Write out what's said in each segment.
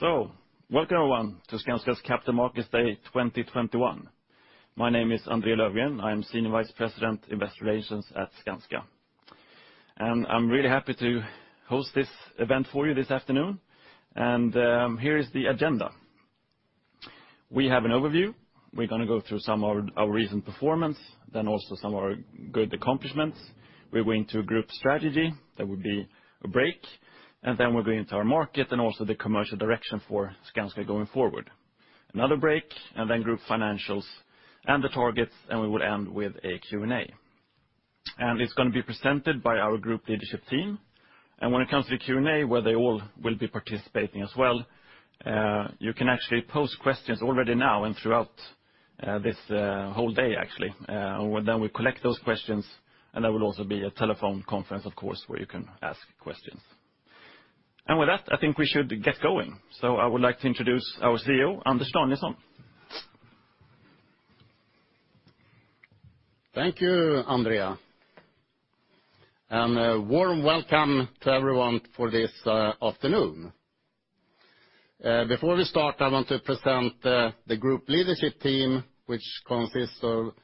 Welcome, everyone, to Skanska's Capital Markets Day 2021. My name is André Löfgren. I am Senior Vice President, Investor Relations at Skanska. I'm really happy to host this event for you this afternoon. Here is the agenda. We have an overview. We're going to go through some of our recent performance, then also some of our good accomplishments. We're going to group strategy. There will be a break. Then we're going to our market and also the commercial direction for Skanska going forward. Another break, and then group financials and the targets, and we will end with a Q&A. It's going to be presented by our Group Leadership Team. When it comes to the Q&A, where they all will be participating as well, you can actually pose questions already now and throughout this whole day, actually. We collect those questions, and there will also be a telephone conference, of course, where you can ask questions. With that, I think we should get going. I would like to introduce our CEO, Anders Danielsson. Thank you, André. A warm welcome to everyone for this afternoon. Before we start, I want to present the Group Leadership Team, which consists of,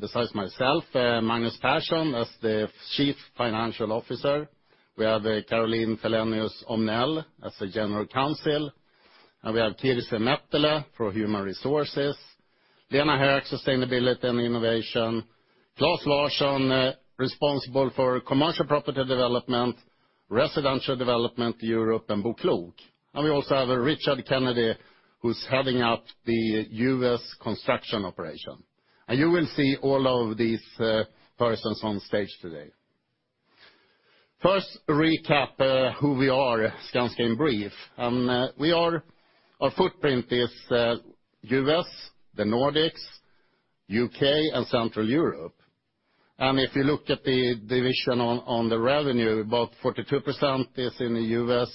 besides myself, Magnus Persson as the Chief Financial Officer. We have Caroline Fellenius Omnell as the General Counsel. We have Kirsi Mettälä for Human Resources. Lena Hök, Sustainability & Innovation. Claes Larsson, responsible for Commercial Property Development, Residential Development, Europe and BoKlok. We also have Richard Kennedy, who's heading up the U.S. construction operation. You will see all of these persons on stage today. First, recap who we are, Skanska in brief. Our footprint is U.S., the Nordics, U.K., and Central Europe. If you look at the division on the revenue, about 42% is in the U.S.,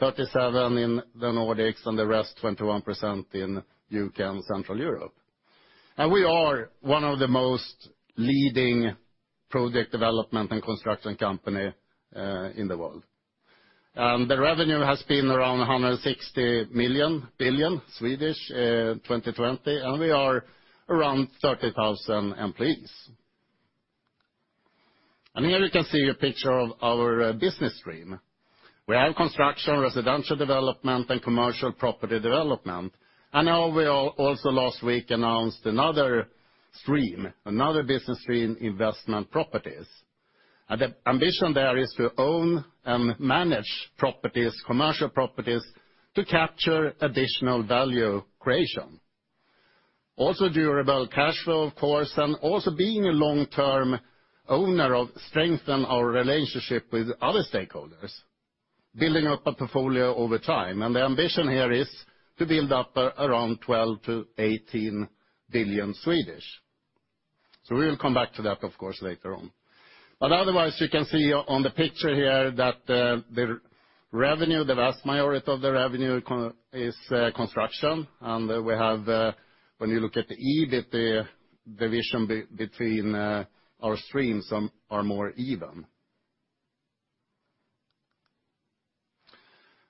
37% in the Nordics, and the rest, 21% in U.K., and Central Europe. We are one of the most leading Project Development and construction company in the world. The revenue has been around 160 billion SEK in 2020, and we are around 30,000 employees. Here you can see a picture of our business stream. We have Construction, Residential Development, and Commercial Property Development. Now we also last week announced another business stream, Investment Properties. The ambition there is to own and manage properties, commercial properties to capture additional value creation. Also durable cash flow, of course, and also being a long-term owner to strengthen our relationship with other stakeholders, building up a portfolio over time. The ambition here is to build up around 12 billion-18 billion. We will come back to that, of course, later on. Otherwise, you can see on the picture here that the revenue, the vast majority of the revenue is construction. We have when you look at the EBIT, the division between our streams are more even.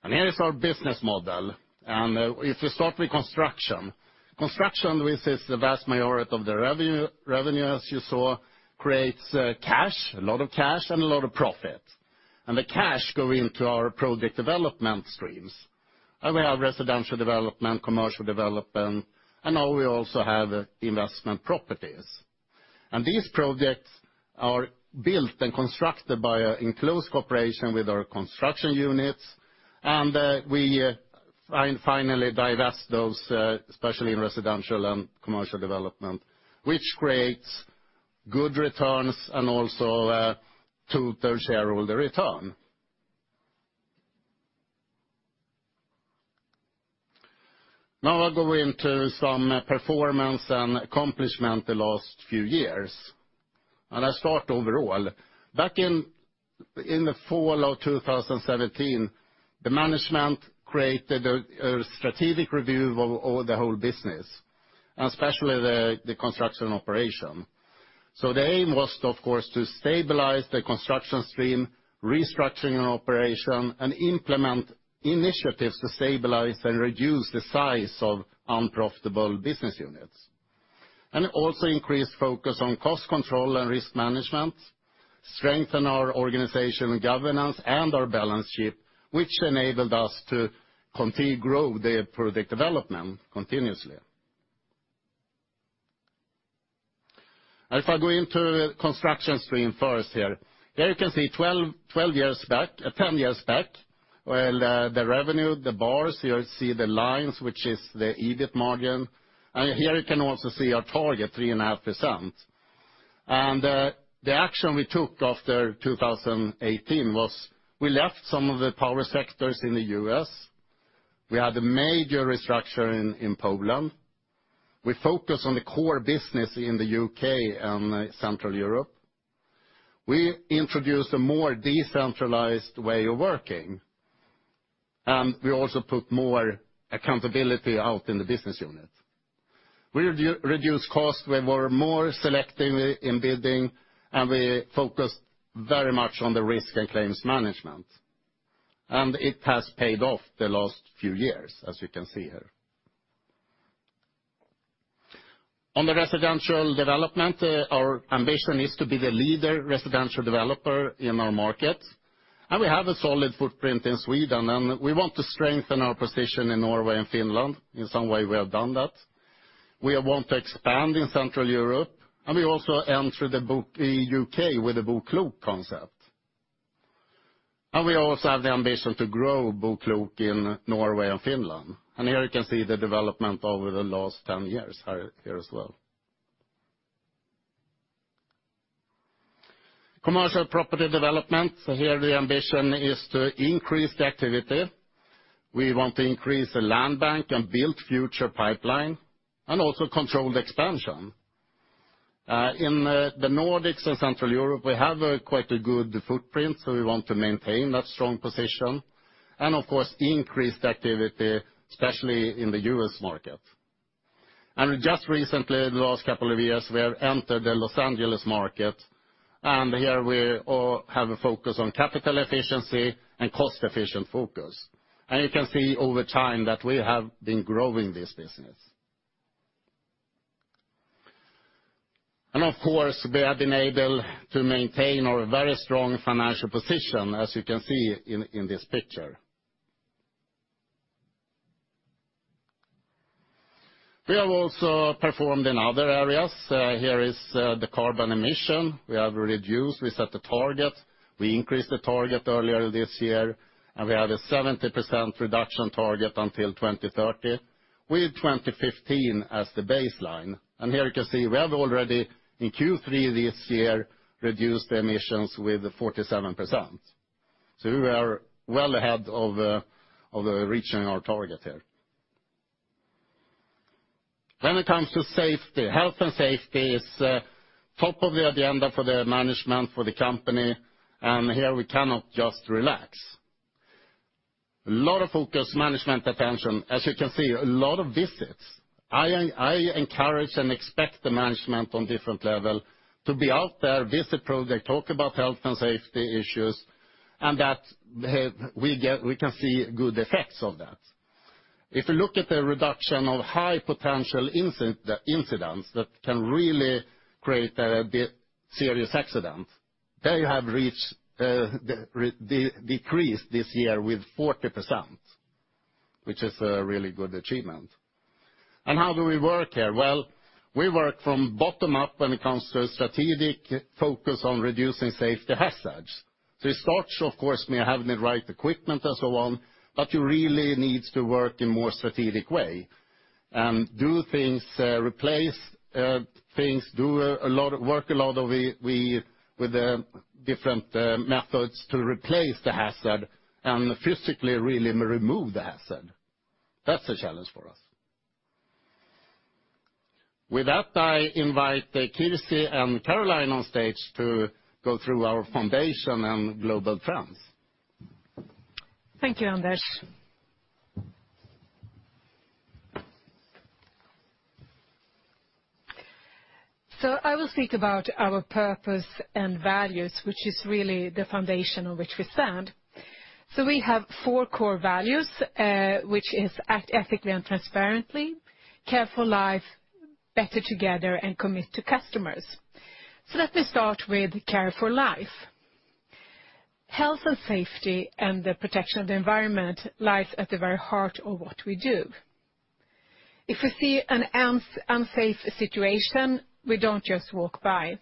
Here is our business model. If you start with construction. Construction, which is the vast majority of the revenue as you saw, creates cash, a lot of cash and a lot of profit. The cash go into our Project Development streams. We have Residential Development, Commercial Development, and now we also have Investment Properties. These projects are built and constructed by in close cooperation with our construction units. We finally divest those, especially Residential Development and commercial Property Development, which creates good returns and also to the shareholder return. Now I'll go into some performance and accomplishment the last few years. I start overall. Back in the fall of 2017, the management created a strategic review of the whole business, especially the construction operation. The aim was, of course, to stabilize the Construction stream, restructuring an operation, and implement initiatives to stabilize and reduce the size of unprofitable business units. Also increase focus on cost control and risk management, strengthen our organization governance and our balance sheet, which enabled us to continue grow the Project Development continuously. If I go into Construction stream first here. Here you can see 12 years back, 10 years back, the revenue, the bars, you see the lines, which is the EBIT margin. Here you can also see our target, 3.5%. The action we took after 2018 was we left some of the power sectors in the U.S. We had a major restructuring in Poland. We focus on the core business in the U.K. and Central Europe. We introduced a more decentralized way of working. We also put more accountability out in the business unit. We reduced costs, we were more selective in bidding, and we focused very much on the risk and claims management. It has paid off the last few years, as you can see here. On the Residential Development, our ambition is to be the leading residential developer in our market. We have a solid footprint in Sweden, and we want to strengthen our position in Norway and Finland. In some way, we have done that. We want to expand in Central Europe, and we also entered the U.K. with the BoKlok concept. We also have the ambition to grow BoKlok in Norway and Finland. Here you can see the development over the last 10 years, here as well. Commercial Property Development. Here the ambition is to increase the activity. We want to increase the land bank and build future pipeline, and also controlled expansion. In the Nordics and Central Europe, we have a good footprint, so we want to maintain that strong position and, of course, increase the activity, especially in the U.S. market. Just recently, the last couple of years, we have entered the Los Angeles market, and here we all have a focus on capital efficiency and cost-efficient focus. You can see over time that we have been growing this business. Of course, we have been able to maintain our very strong financial position, as you can see in this picture. We have also performed in other areas. Here is the carbon emission we have reduced. We set a target. We increased the target earlier this year, and we have a 70% reduction target until 2030, with 2015 as the baseline. Here you can see we have already, in Q3 this year, reduced the emissions with 47%. We are well ahead of reaching our target here. When it comes to safety, health and safety is top of the agenda for the management for the company, and here we cannot just relax. Lot of focus, management attention. As you can see, a lot of visits. I encourage and expect the management on different level to be out there, visit projects, talk about health and safety issues, and we can see good effects of that. If you look at the reduction of high potential incidents that can really create a serious accident, they have decreased this year with 40%, which is a really good achievement. How do we work here? Well, we work from bottom up when it comes to strategic focus on reducing safety hazards. This starts, of course, with me having the right equipment and so on, but you really need to work in a more strategic way and do things to replace things with different methods to replace the hazard and physically really remove the hazard. That's a challenge for us. With that, I invite Kirsi and Caroline on stage to go through our foundation and global trends. Thank you, Anders. I will speak about our purpose and values, which is really the foundation on which we stand. We have four core values, which is Act Ethically and Transparently, Care for Life, Better Together, and Commit to Customers. Let me start with Care for Life. Health and safety and the protection of the environment lies at the very heart of what we do. If we see an unsafe situation, we don't just walk by.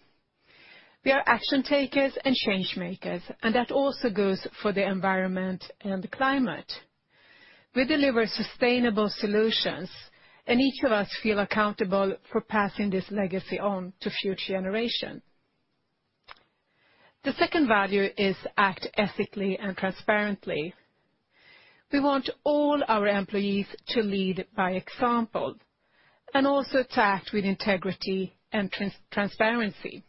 We are action takers and change makers, and that also goes for the environment and the climate. We deliver sustainable solutions, and each of us feel accountable for passing this legacy on to future generation. The second value is Act Ethically and Transparently. We want all our employees to lead by example, and also to act with integrity and transparency.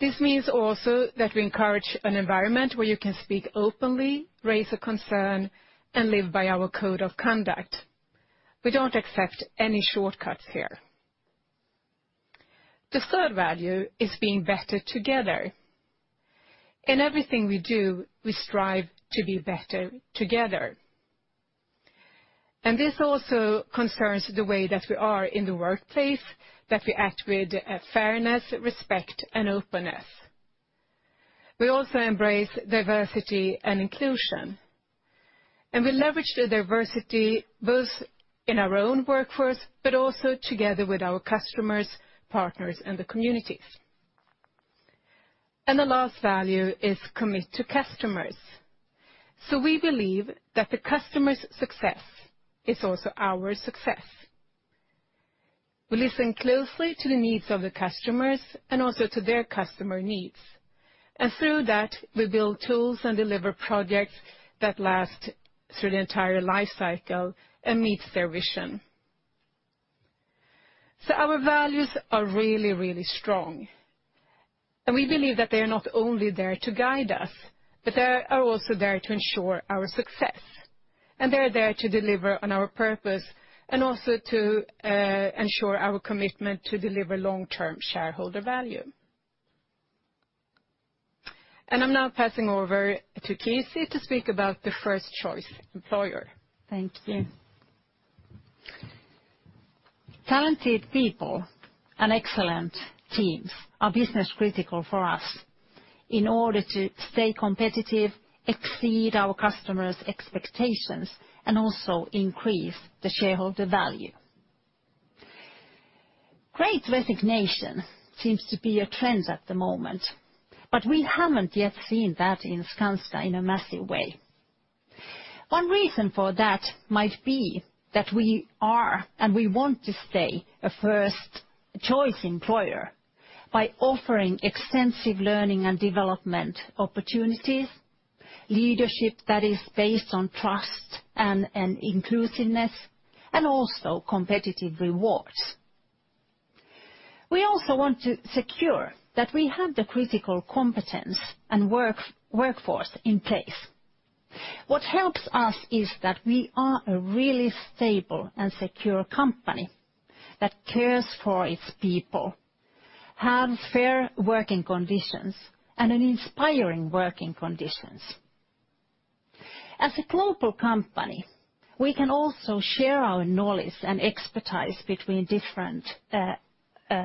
This means also that we encourage an environment where you can speak openly, raise a concern, and live by our code of conduct. We don't accept any shortcuts here. The third value is being better together. In everything we do, we strive to be better together. This also concerns the way that we are in the workplace, that we act with fairness, respect, and openness. We also embrace diversity and inclusion. We leverage the diversity both in our own workforce, but also together with our customers, partners, and the communities. The last value is commit to customers. We believe that the customer's success is also our success. We listen closely to the needs of the customers and also to their customer needs. Through that, we build tools and deliver projects that last through the entire life cycle and meets their vision. Our values are really, really strong. We believe that they are not only there to guide us, but they are also there to ensure our success. They're there to deliver on our purpose and also to ensure our commitment to deliver long-term shareholder value. I'm now passing over to Kirsi to speak about the first choice employer. Thank you. Talented people and excellent teams are business-critical for us in order to stay competitive, exceed our customers' expectations, and also increase the shareholder value. Great resignation seems to be a trend at the moment, but we haven't yet seen that in Skanska in a massive way. One reason for that might be that we are, and we want to stay, a first choice employer by offering extensive learning and development opportunities, leadership that is based on trust and inclusiveness, and also competitive rewards. We also want to secure that we have the critical competence and workforce in place. What helps us is that we are a really stable and secure company that cares for its people, have fair working conditions, and an inspiring working conditions. As a global company, we can also share our knowledge and expertise between different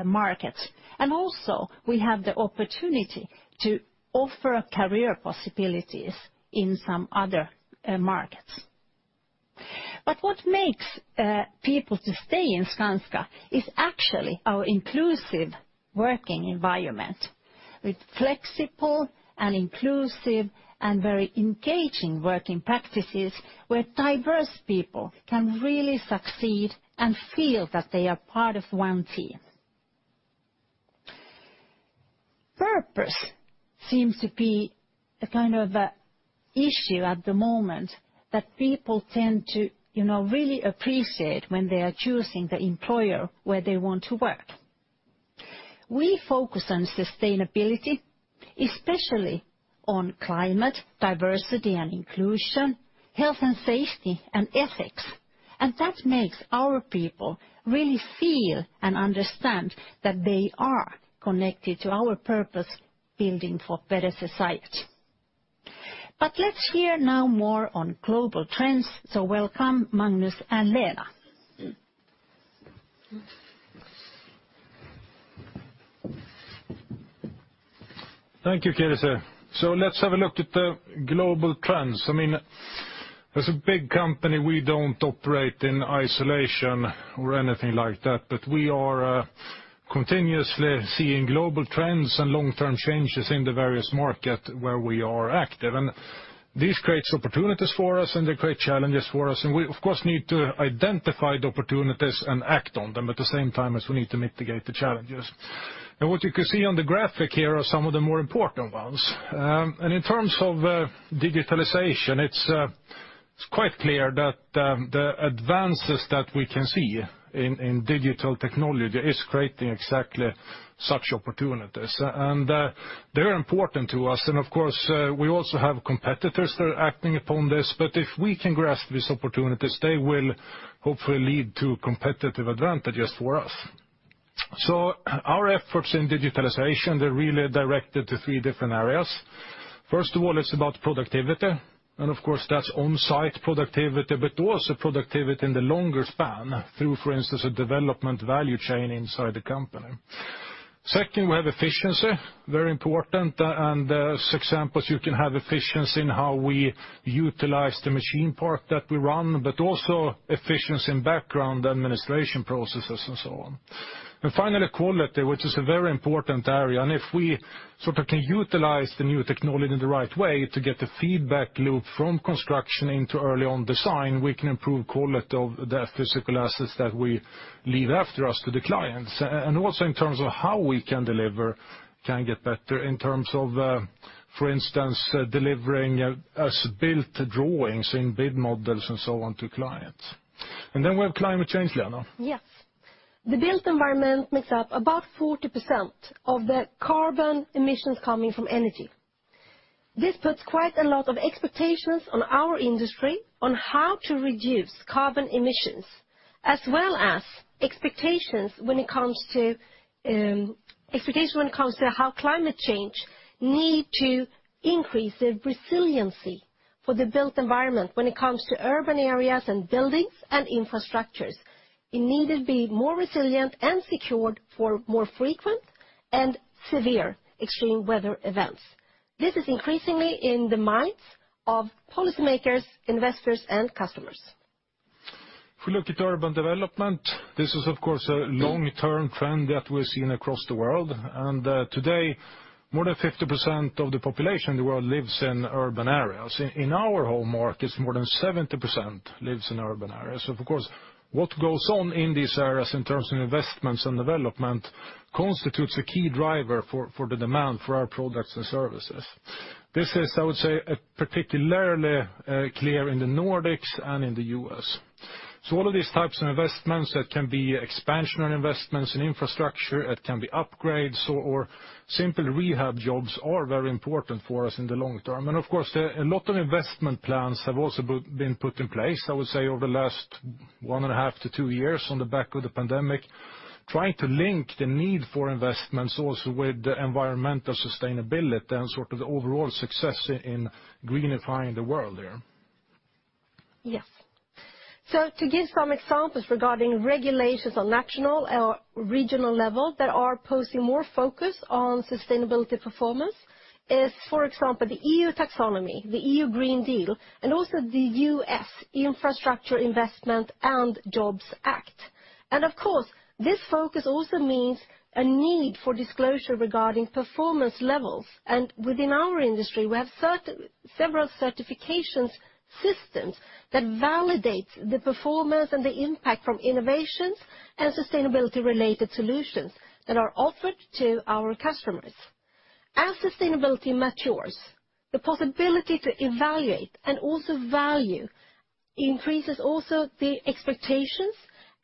markets, and also we have the opportunity to offer career possibilities in some other markets. What makes people to stay in Skanska is actually our inclusive working environment with flexible and inclusive and very engaging working practices, where diverse people can really succeed and feel that they are part of one team. Purpose seems to be a kind of issue at the moment that people tend to, you know, really appreciate when they are choosing the employer where they want to work. We focus on sustainability, especially on climate, diversity and inclusion, health and safety, and ethics. That makes our people really feel and understand that they are connected to our purpose, building for a better society. Let's hear now more on global trends, welcome Magnus and Lena. Thank you, Kirsi. Let's have a look at the global trends. I mean, as a big company, we don't operate in isolation or anything like that. We are continuously seeing global trends and long-term changes in the various market where we are active, and this creates opportunities for us, and they create challenges for us. We of course need to identify the opportunities and act on them at the same time as we need to mitigate the challenges. What you can see on the graphic here are some of the more important ones. In terms of digitalization, it's quite clear that the advances that we can see in digital technology is creating exactly such opportunities. They're important to us, and of course, we also have competitors that are acting upon this. If we can grasp these opportunities, they will hopefully lead to competitive advantages for us. Our efforts in digitalization, they're really directed to three different areas. First of all, it's about productivity, and of course, that's on-site productivity, but also productivity in the longer span through, for instance, a development value chain inside the company. Second, we have efficiency, very important, and as examples you can have efficiency in how we utilize the machine park that we run, but also efficiency in background administration processes and so on. Finally, quality, which is a very important area, and if we sort of can utilize the new technology in the right way to get the feedback loop from construction into early on design, we can improve quality of the physical assets that we leave after us to the clients. Also in terms of how we can get better in terms of, for instance, delivering as-built drawings in BIM models and so on to clients. We have climate change, Lena. Yes. The built environment makes up about 40% of the carbon emissions coming from energy. This puts quite a lot of expectations on our industry on how to reduce carbon emissions, as well as expectations when it comes to how climate change need to increase the resiliency for the built environment when it comes to urban areas and buildings and infrastructures. It needed to be more resilient and secured for more frequent and severe extreme weather events. This is increasingly in the minds of policymakers, investors, and customers. If we look at urban development, this is of course a long-term trend that we're seeing across the world, and today, more than 50% of the population in the world lives in urban areas. In our home markets, more than 70% lives in urban areas. Of course, what goes on in these areas in terms of investments and development. Constitutes a key driver for the demand for our products and services. This is, I would say, a particularly clear in the Nordics and in the U.S. All of these types of investments that can be expansionary investments in infrastructure, it can be upgrades or simple rehab jobs are very important for us in the long term. Of course, a lot of investment plans have also been put in place, I would say, over the last one and half to two years on the back of the pandemic, trying to link the need for investments also with the environmental sustainability and sort of the overall success in greenifying the world there. Yes. To give some examples regarding regulations on national or regional level that are posing more focus on sustainability performance is, for example, the EU Taxonomy, the European Green Deal, and also the Infrastructure Investment and Jobs Act. Of course, this focus also means a need for disclosure regarding performance levels. Within our industry, we have several certifications systems that validates the performance and the impact from innovations, and sustainability-related solutions that are offered to our customers. As sustainability matures, the possibility to evaluate and also value increases also the expectations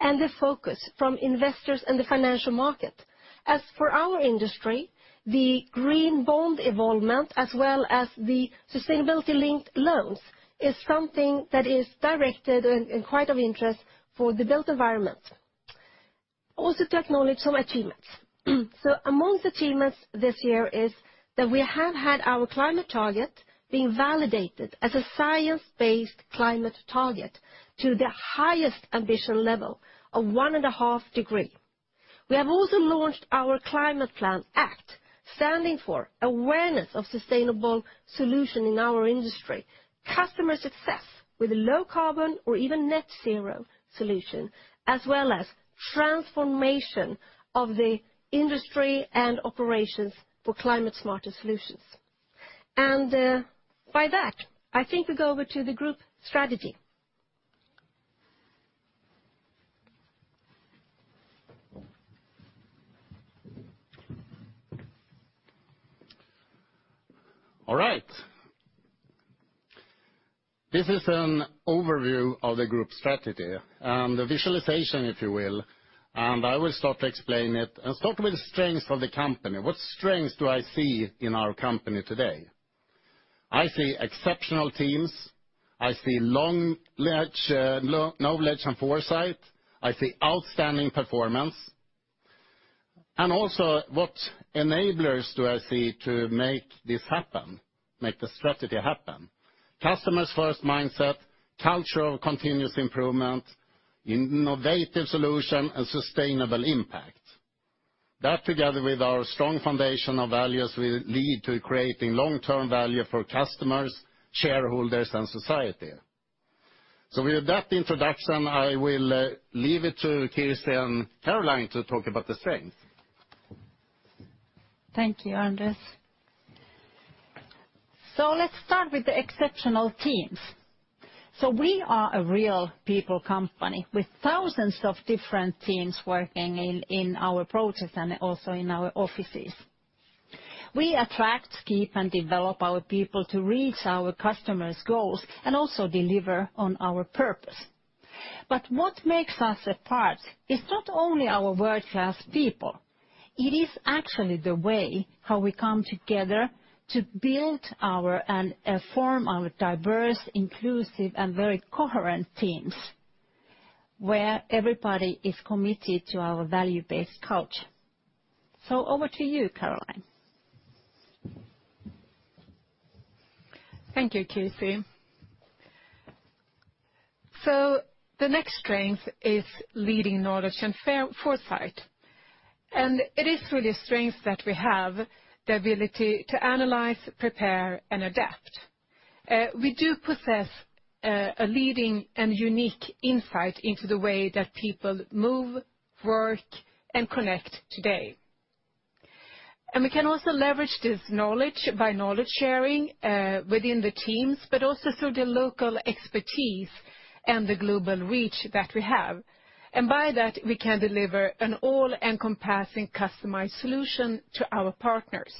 and the focus from investors in the financial market. As for our industry, the green bond involvement, as well as the sustainability-linked loans, is something that is directed and quite of interest for the built environment. Also to acknowledge some achievements. Among achievements this year is that we have had our climate target being validated as a science-based target to the highest ambition level of 1.5 degrees. We have also launched our Climate Plan ACT, standing for awareness of sustainable solution in our industry, customer success with a low carbon or even net zero solution, as well as transformation of the industry and operations for climate smarter solutions. By that, I think we go over to the group strategy. All right. This is an overview of the group strategy, and the visualization, if you will. I will start to explain it, and start with the strengths of the company. What strengths do I see in our company today? I see exceptional teams, I see knowledge and foresight, I see outstanding performance. What enablers do I see to make this happen, make the strategy happen? Customers first mindset, culture of continuous improvement, innovative solution, and sustainable impact. That together with our strong foundation of values will lead to creating long-term value for customers, shareholders, and society. With that introduction, I will leave it to Kirsi and Caroline to talk about the strengths. Thank you, Anders. Let's start with the exceptional teams. We are a real people company with thousands of different teams working in our projects and also in our offices. We attract, keep, and develop our people to reach our customers' goals and also deliver on our purpose. What makes us apart is not only our world-class people, it is actually the way how we come together to build our, and form our diverse, inclusive, and very coherent teams, where everybody is committed to our value-based culture. Over to you, Caroline. Thank you, Kirsi. The next strength is leading knowledge and foresight. It is really a strength that we have, the ability to analyze, prepare, and adapt. We possess a leading and unique insight into the way that people move, work, and connect today. We can also leverage this knowledge by knowledge-sharing within the teams, but also through the local expertise and the global reach that we have. By that, we can deliver an all-encompassing customized solution to our partners.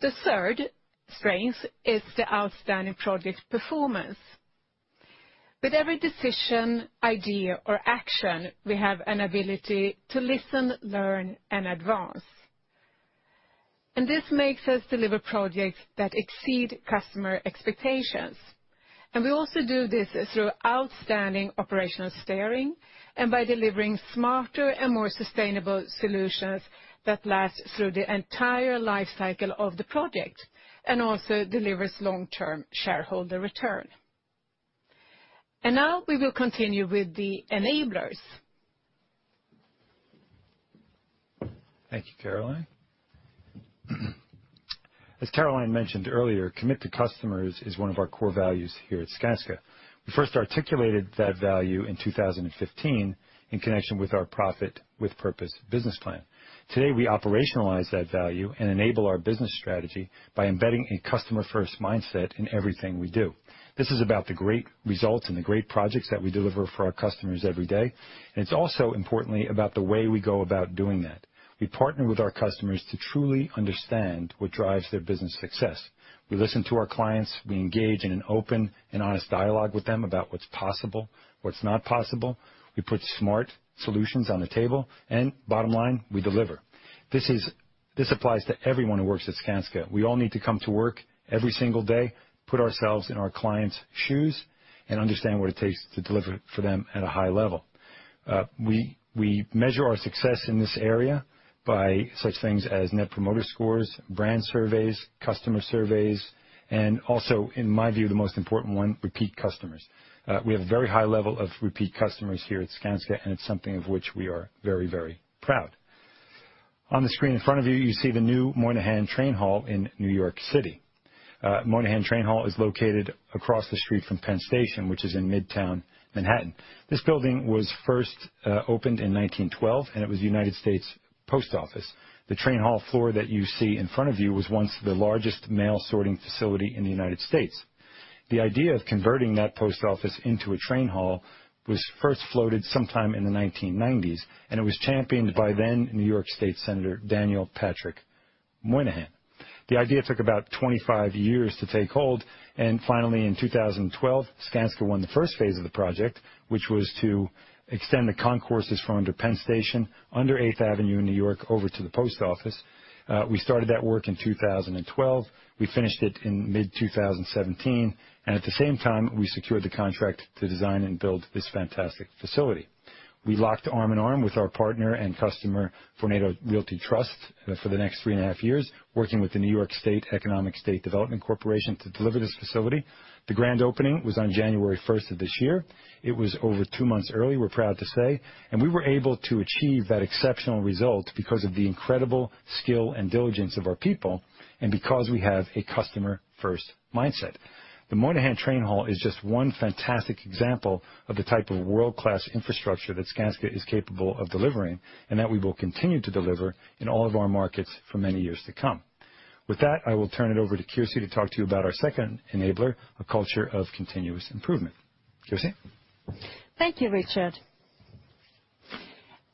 The third strength is the outstanding project performance. With every decision, idea, or action, we have an ability to listen, learn, and advance. This makes us deliver projects that exceed customer expectations. We also do this through outstanding operational steering and by delivering smarter and more sustainable solutions that last through the entire life cycle of the project, and also delivers long-term shareholder return. Now we will continue with the enablers. Thank you, Caroline. As Caroline mentioned earlier, commit to customers is one of our core values here at Skanska. We first articulated that value in 2015 in connection with our Profit with Purpose business plan. Today, we operationalize that value and enable our business strategy by embedding a customer first mindset in everything we do. This is about the great results and the great projects that we deliver for our customers every day. It's also importantly about the way we go about doing that. We partner with our customers to truly understand what drives their business success. We listen to our clients, we engage in an open and honest dialogue with them about what's possible, what's not possible. We put smart solutions on the table, and bottom line, we deliver. This applies to everyone who works at Skanska. We all need to come to work every single day, put ourselves in our clients' shoes, and understand what it takes to deliver for them at a high level. We measure our success in this area by such things as net promoter scores, brand surveys, customer surveys, and also, in my view, the most important one, repeat customers. We have a very high level of repeat customers here at Skanska, and it's something of which we are very, very proud. On the screen in front of you see the new Moynihan Train Hall in New York City. Moynihan Train Hall is located across the street from Penn Station, which is in Midtown Manhattan. This building was first opened in 1912, and it was the United States Post Office. The train hall floor that you see in front of you was once the largest mail sorting facility in the United States. The idea of converting that post office into a train hall was first floated sometime in the 1990s, and it was championed by then New York State Senator, Daniel Patrick Moynihan. The idea took about 25 years to take hold, and finally, in 2012, Skanska won the first phase of the project, which was to extend the concourses from under Penn Station under Eighth Avenue in New York over to the post office. We started that work in 2012, we finished it in mid-2017, and at the same time, we secured the contract to design and build this fantastic facility. We locked arm in arm with our partner and customer, Vornado Realty Trust, for the next three and a half years, working with the Empire State Development Corporation to deliver this facility. The grand opening was on January 1st of this year. It was over two months early, we're proud to say. We were able to achieve that exceptional result because of the incredible skill and diligence of our people, and because we have a customer first mindset. The Moynihan Train Hall is just one fantastic example of the type of world-class infrastructure that Skanska is capable of delivering, and that we will continue to deliver in all of our markets for many years to come. With that, I will turn it over to Kirsi to talk to you about our second enabler, a culture of continuous improvement. Kirsi? Thank you, Richard.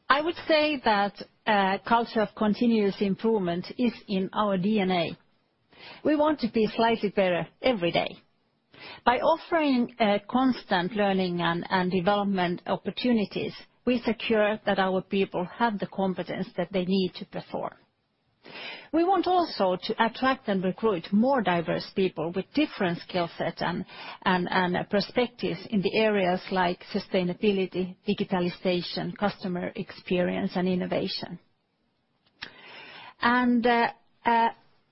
I would say that culture of continuous improvement is in our DNA. We want to be slightly better every day. By offering constant learning and development opportunities, we secure that our people have the competence that they need to perform. We want also to attract and recruit more diverse people with different skill set and perspectives in the areas like sustainability, digitization, customer experience, and innovation.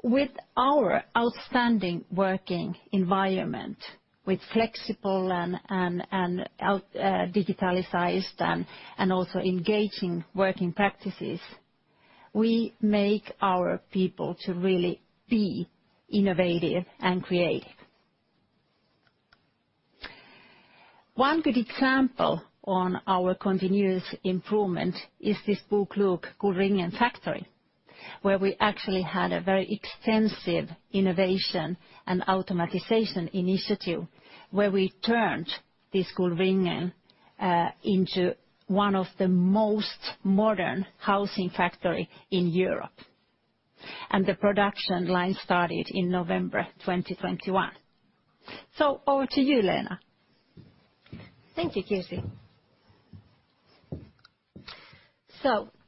With our outstanding working environment, with flexible and digitized and also engaging working practices, we make our people to really be innovative and creative. One good example of our continuous improvement is this BoKlok Gullringen Factory, where we actually had a very extensive innovation and automation initiative, where we turned this Gullringen into one of the most modern housing factory in Europe. The production line started in November 2021. Over to you, Lena. Thank you, Kirsi.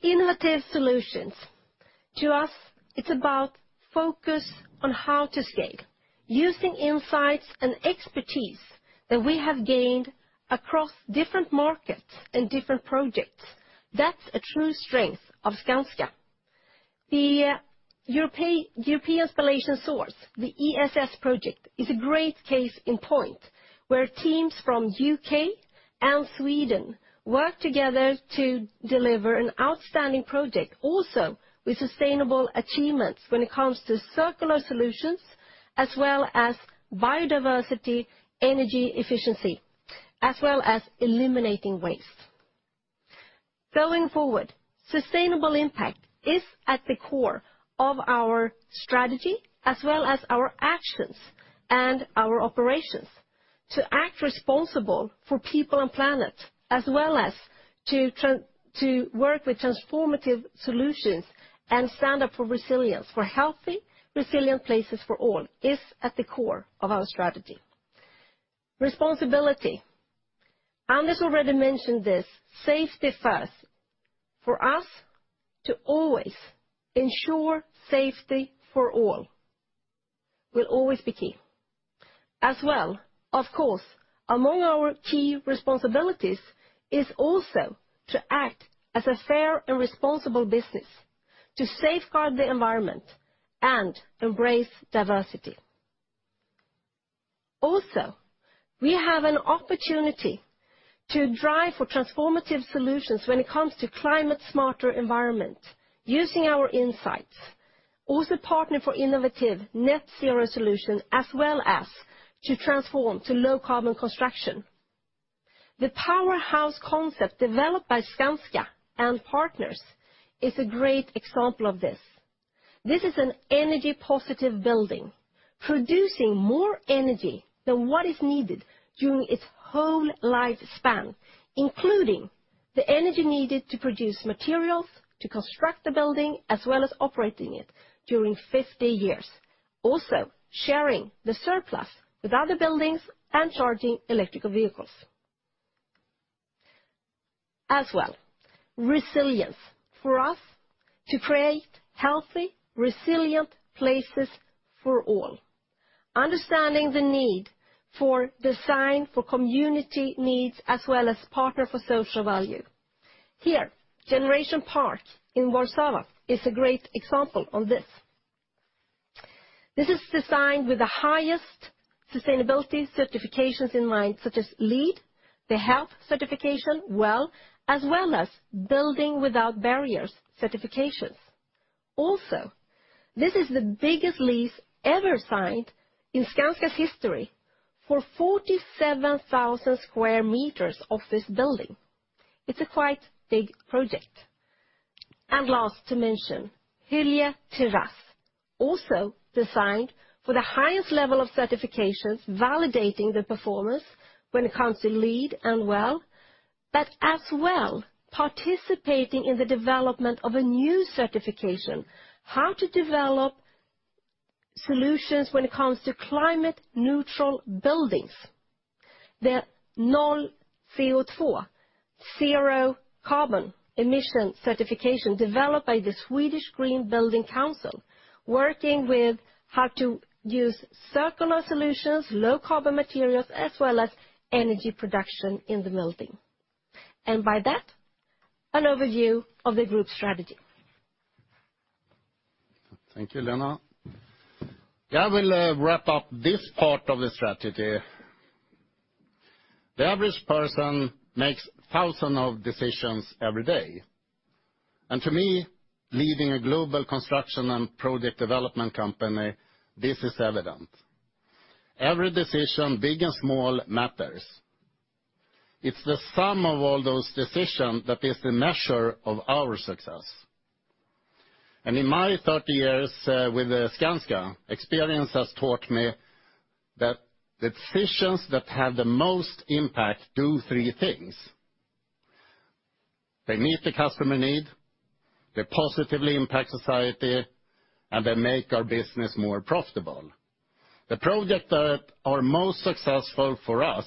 Innovative solutions. To us, it's about focus on how to scale using insights and expertise that we have gained across different markets and different projects. That's a true strength of Skanska. The European Spallation Source, the ESS project, is a great case in point, where teams from U.K. and Sweden work together to deliver an outstanding project also with sustainable achievements when it comes to circular solutions, as well as biodiversity, energy efficiency, as well as eliminating waste. Going forward, sustainable impact is at the core of our strategy as well as our actions and our operations. To act responsible for people and planet, as well as to work with transformative solutions and stand up for resilience, for healthy, resilient places for all, is at the core of our strategy. Responsibility. Anders already mentioned this, safety first. For us to always ensure safety for all will always be key. As well, of course, among our key responsibilities is also to act as a fair and responsible business to safeguard the environment and embrace diversity. Also, we have an opportunity to drive for transformative solutions when it comes to a climate-smart environment using our insights. Also, to partner for innovative net-zero solutions as well as to transform to low-carbon construction. The Powerhouse concept developed by Skanska and partners is a great example of this. This is an energy-positive building, producing more energy than what is needed during its whole lifespan, including the energy needed to produce materials, to construct the building, as well as operating it during 50 years, also sharing the surplus with other buildings and charging electric vehicles. As well as resilience for us to create healthy, resilient places for all. Understanding the need for design for community needs as well as partner for social value. Here, Generation Park in Warszawa is a great example on this. This is designed with the highest sustainability certifications in mind, such as LEED, the health certification, WELL, as well as Building Without Barriers certifications. Also, this is the biggest lease ever signed in Skanska's history for 47,000 square meters of this building. It's a quite big project. Last to mention, Hyllie Terrass, also designed for the highest level of certifications, validating the performance when it comes to LEED and WELL, but as well participating in the development of a new certification, how to develop solutions when it comes to climate neutral buildings. The NollCO2 zero carbon emission certification developed by the Sweden Green Building Council, working with how to use circular solutions, low carbon materials, as well as energy production in the building. By that, an overview of the group strategy. Thank you, Lena. I will wrap up this part of the strategy. The average person makes thousands of decisions every day. To me, leading a global construction and Product Development company, this is evident. Every decision, big and small, matters. It's the sum of all those decisions that is the measure of our success. In my 30 years with Skanska, experience has taught me that decisions that have the most impact do three things. They meet the customer need, they positively impact society, and they make our business more profitable. The projects that are most successful for us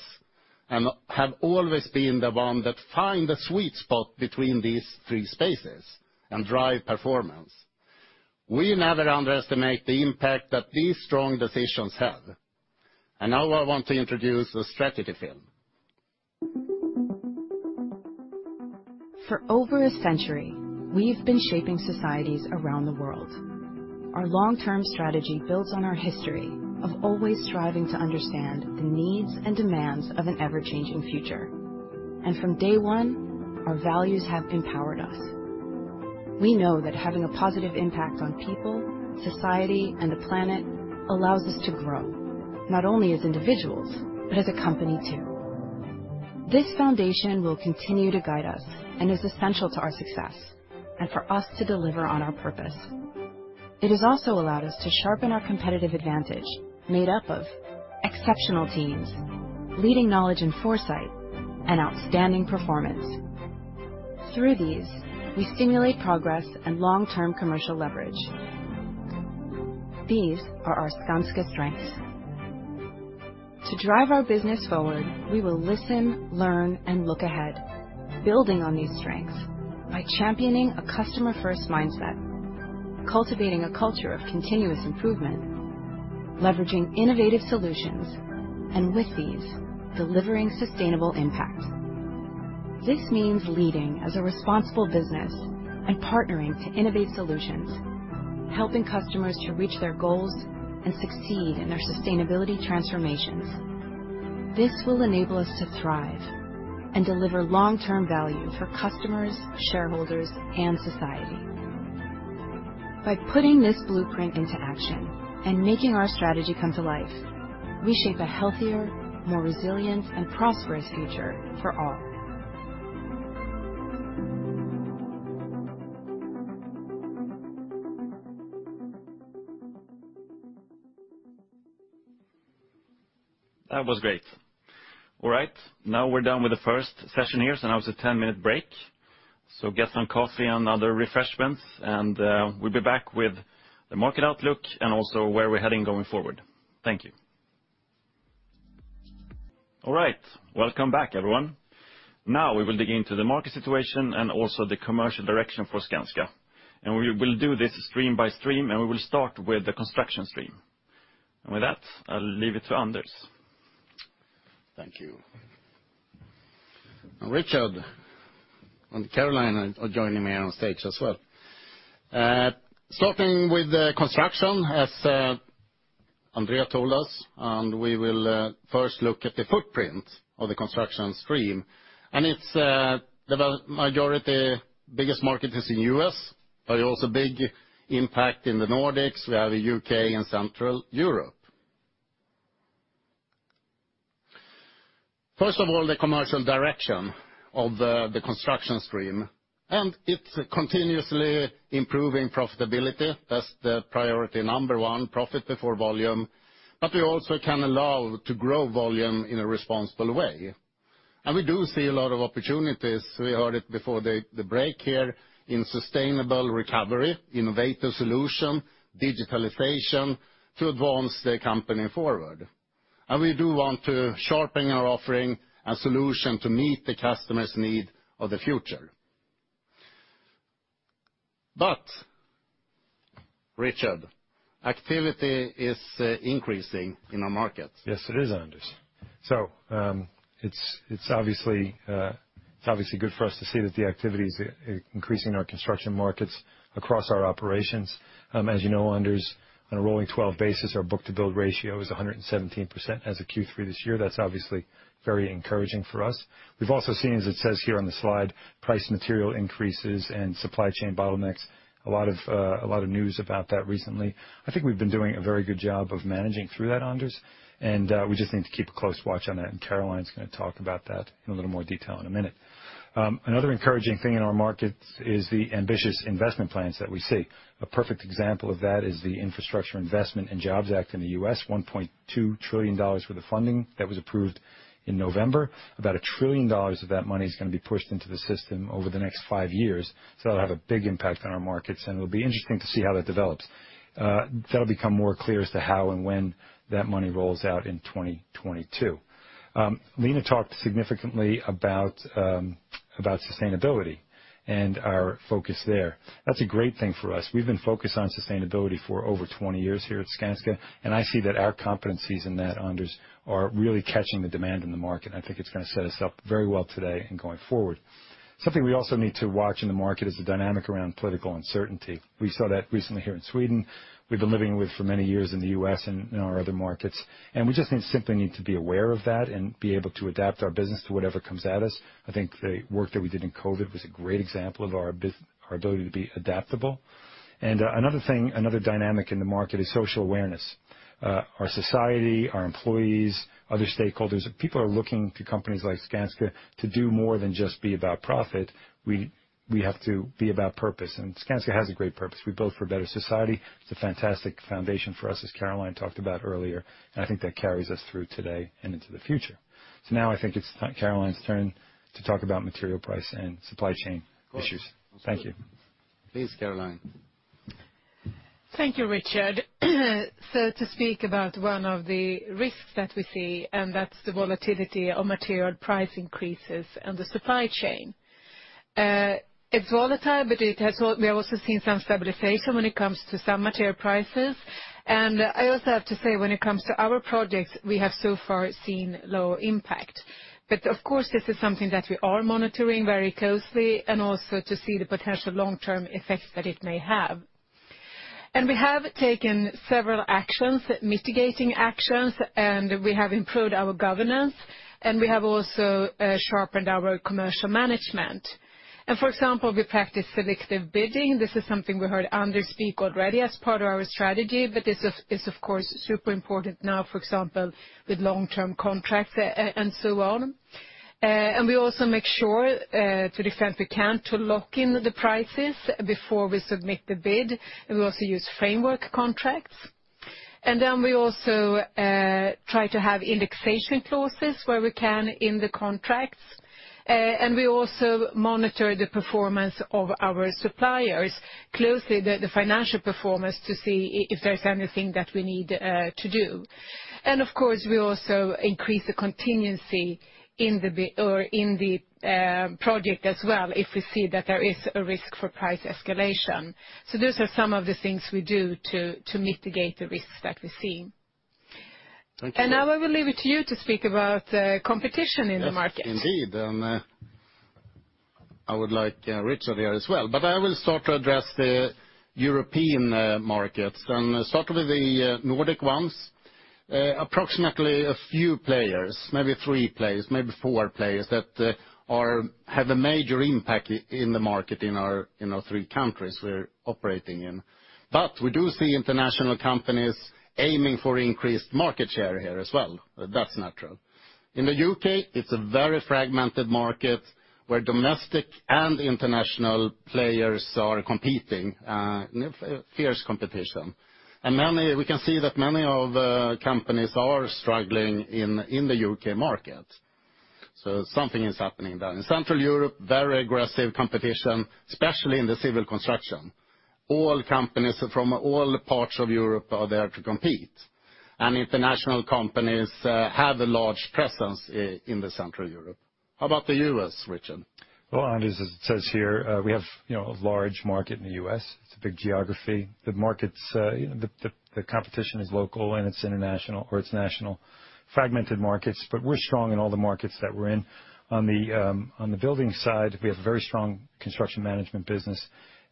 and have always been the one that find the sweet spot between these three spaces and drive performance. We never underestimate the impact that these strong decisions have. Now I want to introduce the strategy film. For over a century, we've been shaping societies around the world. Our long-term strategy builds on our history of always striving to understand the needs and demands of an ever-changing future. From day one, our values have empowered us. We know that having a positive impact on people, society, and the planet allows us to grow, not only as individuals, but as a company too. This foundation will continue to guide us and is essential to our success and for us to deliver on our purpose. It has also allowed us to sharpen our competitive advantage made up of exceptional teams, leading knowledge and foresight, and outstanding performance. Through these, we stimulate progress and long-term commercial leverage. These are our Skanska strengths. To drive our business forward, we will listen, learn, and look ahead, building on these strengths by championing a customer-first mindset, cultivating a culture of continuous improvement, leveraging innovative solutions, and with these, delivering sustainable impact. This means leading as a responsible business and partnering to innovate solutions, helping customers to reach their goals and succeed in their sustainability transformations. This will enable us to thrive and deliver long-term value for customers, shareholders, and society. By putting this blueprint into action and making our strategy come to life, we shape a healthier, more resilient, and prosperous future for all. That was great. All right, now we're done with the first session here, so now it's a 10-minute break. Get some coffee and other refreshments, and we'll be back with the market outlook and also where we're heading going forward. Thank you. All right. Welcome back, everyone. Now we will dig into the market situation and also the commercial direction for Skanska. We will do this stream by stream, and we will start with the Construction stream. With that, I'll leave it to Anders. Thank you. Richard and Caroline are joining me on stage as well. Starting with the construction, as André told us, we will first look at the footprint of the construction stream. It's the majority biggest market is in U.S., but also big impact in the Nordics. We have U.K. and Central Europe. First of all, the commercial direction of the construction stream, it's continuously improving profitability. That's the priority number one, profit before volume. We also can allow to grow volume in a responsible way. We do see a lot of opportunities, we heard it before the break here, in sustainable recovery, innovative solution, digitalization to advance the company forward. We do want to sharpen our offering and solution to meet the customer's need of the future. Richard, activity is increasing in our markets. Yes, it is, Anders. It's obviously good for us to see that the activity is increasing in our construction markets across our operations. As you know, Anders, on a rolling-twelve basis, our book-to-bill ratio is 117% as of Q3 this year. That's obviously very encouraging for us. We've also seen, as it says here on the slide, material price increases and supply chain bottlenecks, a lot of news about that recently. I think we've been doing a very good job of managing through that, Anders, and we just need to keep a close watch on that. Caroline's going to talk about that in a little more detail in a minute. Another encouraging thing in our markets is the ambitious investment plans that we see. A perfect example of that is the Infrastructure Investment and Jobs Act in the U.S., $1.2 trillion worth of funding that was approved in November. About $1 trillion of that money is going to be pushed into the system over the next five years, so it'll have a big impact on our markets, and it'll be interesting to see how that develops. That'll become more clear as to how and when that money rolls out in 2022. Lena talked significantly about sustainability and our focus there. That's a great thing for us. We've been focused on sustainability for over 20 years here at Skanska, and I see that our competencies in that, Anders, are really catching the demand in the market, and I think it's going to set us up very well today and going forward. Something we also need to watch in the market is the dynamic around political uncertainty. We saw that recently here in Sweden. We've been living with for many years in the U.S. and in our other markets. We just need, simply need to be aware of that and be able to adapt our business to whatever comes at us. I think the work that we did in COVID was a great example of our ability to be adaptable. Another dynamic in the market is social awareness. Our society, our employees, other stakeholders, people are looking to companies like Skanska to do more than just be about profit. We have to be about purpose, and Skanska has a great purpose. We build for a better society. It's a fantastic foundation for us, as Caroline talked about earlier, and I think that carries us through today and into the future. Now I think it's time, Caroline's turn to talk about material price and supply chain issues. Thank you. Please, Caroline. Thank you, Richard. To speak about one of the risks that we see, and that's the volatility of material price increases in the supply chain. It's volatile, but we have also seen some stabilization when it comes to some material prices. I also have to say, when it comes to our projects, we have so far seen low impact. Of course, this is something that we are monitoring very closely and also to see the potential long-term effects that it may have. We have taken several actions, mitigating actions, and we have improved our governance, and we have also sharpened our commercial management. For example, we practice selective bidding. This is something we heard Anders speak already as part of our strategy, but this is of course super important now, for example, with long-term contracts and so on. We also make sure, to the extent we can, to lock in the prices before we submit the bid. We also use framework contracts. We also try to have indexation clauses where we can in the contracts. We also monitor the performance of our suppliers closely, the financial performance to see if there's anything that we need to do. Of course, we also increase the contingency in the bid or in the project as well if we see that there is a risk for price escalation. Those are some of the things we do to mitigate the risks that we see. Thank you. Now I will leave it to you to speak about competition in the market. Yes, indeed. I would like Richard here as well. I will start to address the European markets and start with the Nordic ones. Approximately a few players, maybe three players, maybe four players that have a major impact in the market in our three countries we're operating in. We do see international companies aiming for increased market share here as well. That's natural. In the U.K., it's a very fragmented market where domestic and international players are competing in a fierce competition. We can see that many companies are struggling in the U.K. market. Something is happening there. In Central Europe, very aggressive competition, especially in the civil construction. All companies from all parts of Europe are there to compete. International companies have a large presence in Central Europe. How about the U.S., Richard? Well, Anders, as it says here, you know, we have a large market in the U.S. It's a big geography. The markets, the competition is local, and it's international or it's national. Fragmented markets, but we're strong in all the markets that we're in. On the building side, we have a very strong construction management business,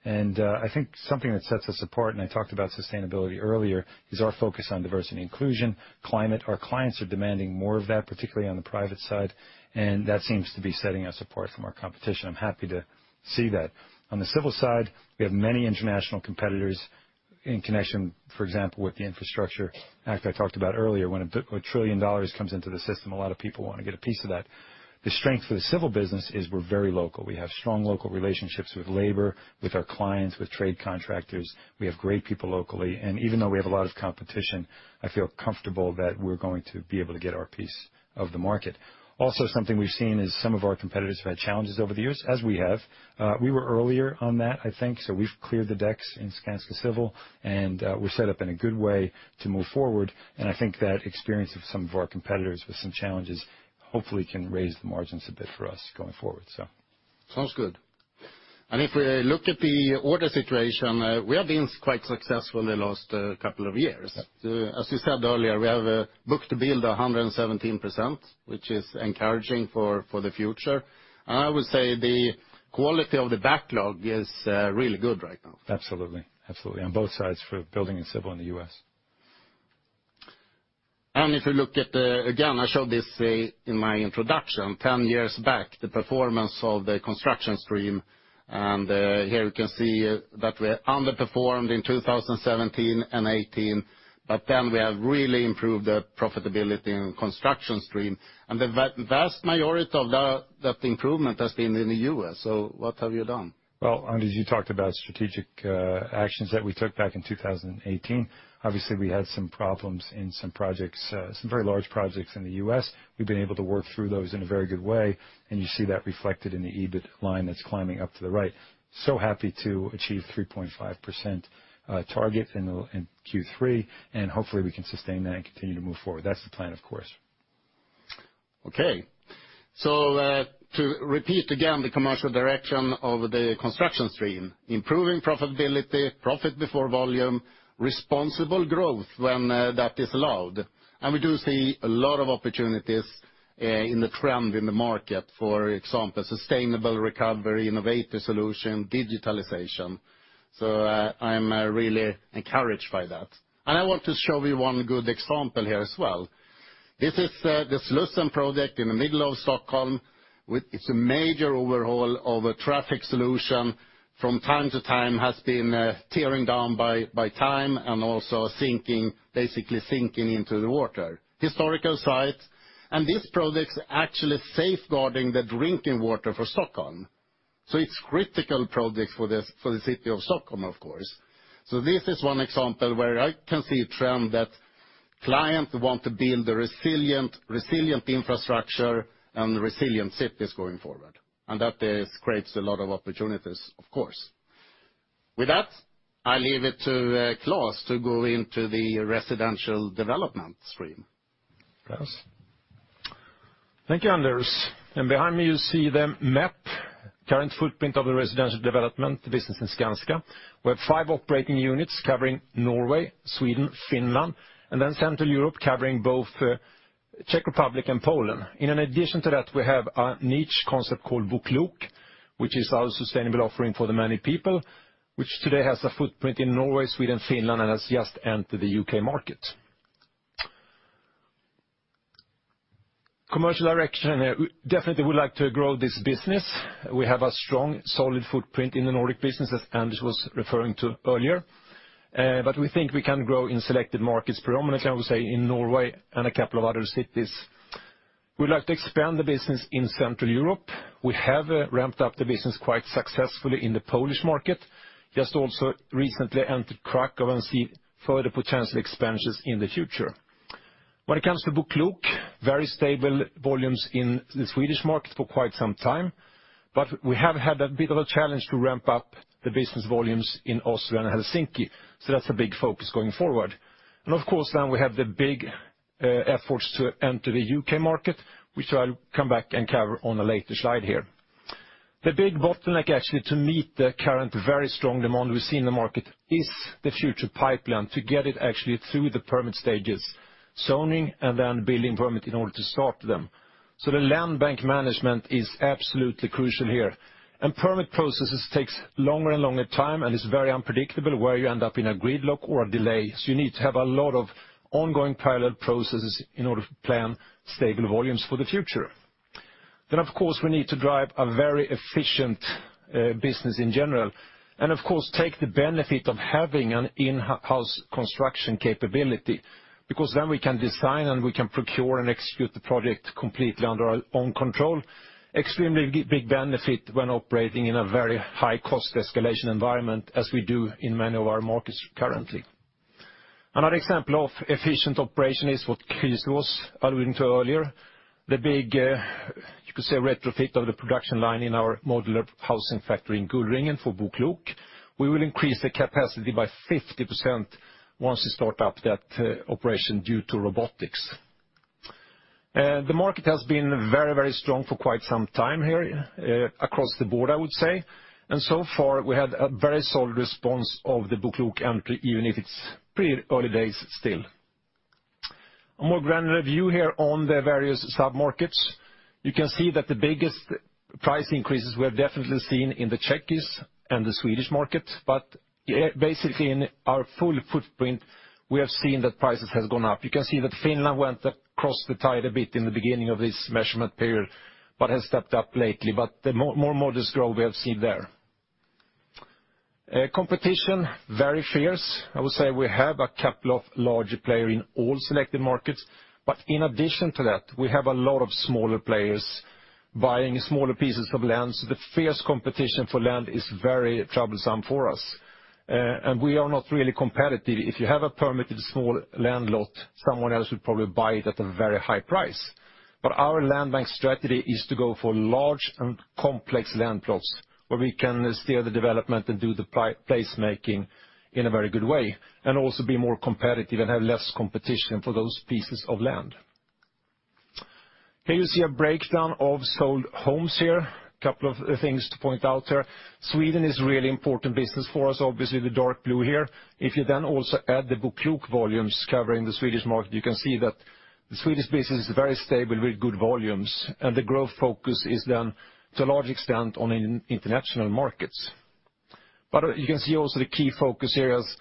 and I think something that sets us apart, and I talked about sustainability earlier, is our focus on diversity and inclusion, climate. Our clients are demanding more of that, particularly on the private side, and that seems to be setting us apart from our competition. I'm happy to see that. On the civil side, we have many international competitors in connection, for example, with the Infrastructure Act I talked about earlier. When a trillion dollars comes into the system, a lot of people want to get a piece of that. The strength of the civil business is we're very local. We have strong local relationships with labor, with our clients, with trade contractors. We have great people locally, and even though we have a lot of competition, I feel comfortable that we're going to be able to get our piece of the market. Also, something we've seen is some of our competitors have had challenges over the years, as we have. We were earlier on that, I think, so we've cleared the decks in Skanska Civil, and we're set up in a good way to move forward. I think that experience of some of our competitors with some challenges hopefully can raise the margins a bit for us going forward. Sounds good. If we look at the order situation, we have been quite successful in the last couple of years. Yeah. As you said earlier, we have book-to-bill of 117%, which is encouraging for the future. I would say the quality of the backlog is really good right now. Absolutely, on both sides for building and civil in the U.S. If you look at the. Again, I showed this in my introduction. Ten years back, the performance of the Construction stream, and here you can see that we underperformed in 2017 and 2018, but then we have really improved the profitability in the Construction stream. The vast majority of that improvement has been in the U.S. What have you done? Well, Anders, you talked about strategic actions that we took back in 2018. Obviously, we had some problems in some projects, some very large projects in the U.S. We've been able to work through those in a very good way, and you see that reflected in the EBIT line that's climbing up to the right. Happy to achieve 3.5% target in Q3, and hopefully we can sustain that and continue to move forward. That's the plan, of course. Okay. To repeat again the commercial direction of the Construction stream, improving profitability, profit before volume, responsible growth when that is allowed. We do see a lot of opportunities in the trend in the market. For example, sustainable recovery, innovative solution, digitalization. I am really encouraged by that. I want to show you one good example here as well. This is the Slussen project in the middle of Stockholm. It's a major overhaul of a traffic solution from time to time has been tearing down by time and also sinking basically sinking into the water. Historical site, and this project's actually safeguarding the drinking water for Stockholm, so it's critical project for the city of Stockholm, of course. This is one example where I can see a trend that client want to build a resilient infrastructure and resilient cities going forward, and that creates a lot of opportunities, of course. With that, I leave it to Claes to go into the Residential Development stream. Claes? Thank you, Anders. Behind me you see the map, current footprint of the Residential Development business in Skanska. We have five operating units covering Norway, Sweden, Finland, and then Central Europe, covering both, Czech Republic and Poland. In addition to that, we have a niche concept called BoKlok, which is our sustainable offering for the many people, which today has a footprint in Norway, Sweden, Finland and has just entered the U.K. market. Commercial Development, we definitely would like to grow this business. We have a strong, solid footprint in the Nordic business, as Anders was referring to earlier. But we think we can grow in selected markets, predominantly I would say in Norway and a couple of other cities. We'd like to expand the business in Central Europe. We have ramped up the business quite successfully in the Polish market, just also recently entered Kraków and see further potential expansions in the future. When it comes to BoKlok, very stable volumes in the Swedish market for quite some time, but we have had a bit of a challenge to ramp up the business volumes in Oslo and Helsinki, so that's a big focus going forward. Of course now we have the big efforts to enter the U.K. market, which I'll come back and cover on a later slide here. The big bottleneck actually to meet the current very strong demand we see in the market is the future pipeline to get it actually through the permit stages, zoning, and then building permit in order to start them. The land bank management is absolutely crucial here. Permit processes takes longer and longer time and is very unpredictable where you end up in a gridlock or a delay, so you need to have a lot of ongoing parallel processes in order to plan stable volumes for the future. Of course, we need to drive a very efficient business in general. Of course, take the benefit of having an in-house construction capability, because then we can design and we can procure and execute the project completely under our own control, extremely big benefit when operating in a very high-cost escalation environment as we do in many of our markets currently. Another example of efficient operation is what Chris was alluding to earlier, the big you could say retrofit of the production line in our modular housing factory in Gullringen for BoKlok. We will increase the capacity by 50% once we start up that operation due to robotics. The market has been very, very strong for quite some time here, across the board, I would say. So far, we had a very solid response of the BoKlok entry, even if it's pretty early days still. A more granular view here on the various sub-markets. You can see that the biggest price increases were definitely seen in the Czechia and the Swedish market. Yeah, basically in our full footprint, we have seen that prices has gone up. You can see that Finland went across the tide a bit in the beginning of this measurement period, but has stepped up lately. The more modest growth we have seen there. Competition, very fierce. I would say we have a couple of larger player in all selected markets. In addition to that, we have a lot of smaller players buying smaller pieces of land. The fierce competition for land is very troublesome for us. We are not really competitive. If you have a permitted small land lot, someone else would probably buy it at a very high price. Our land bank strategy is to go for large and complex land plots, where we can steer the development and do the placemaking in a very good way, and also be more competitive and have less competition for those pieces of land. Here you see a breakdown of sold homes here. Couple of things to point out here. Sweden is really important business for us, obviously, the BoKlok here. If you then also add the BoKlok volumes covering the Swedish market, you can see that the Swedish business is very stable with good volumes. The growth focus is then, to a large extent, on international markets. You can see also the key focus here is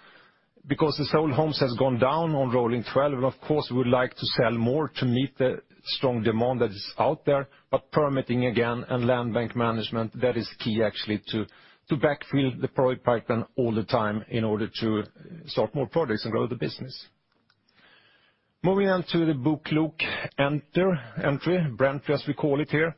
because the sold homes has gone down on rolling twelve, and of course, we would like to sell more to meet the strong demand that is out there. Permitting, again, and land bank management, that is key actually to backfill the product pipeline all the time in order to start more projects and grow the business. Moving on to the BoKlok entry, brand entry, as we call it here.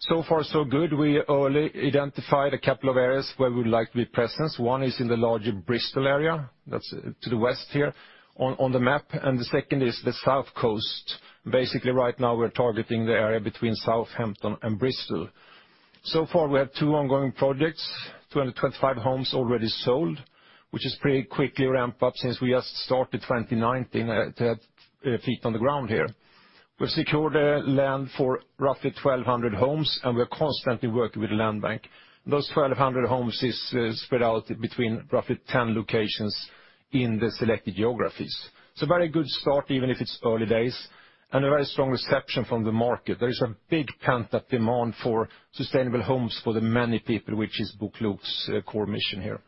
So far, so good. We early identified a couple of areas where we would like to be present. One is in the larger Bristol area. That's to the west here on the map. The second is the South Coast. Basically, right now, we're targeting the area between Southampton and Bristol. So far, we have two ongoing projects, 225 homes already sold, which is pretty quickly ramped up since we just started 2019 to have feet on the ground here. We've secured land for roughly 1,200 homes, and we are constantly working with the land bank. Those 1,200 homes is spread out between roughly 10 locations in the selected geographies. It's a very good start, even if it's early days, and a very strong reception from the market. There is a big pent-up demand for sustainable homes for the many people, which is BoKlok's core mission here.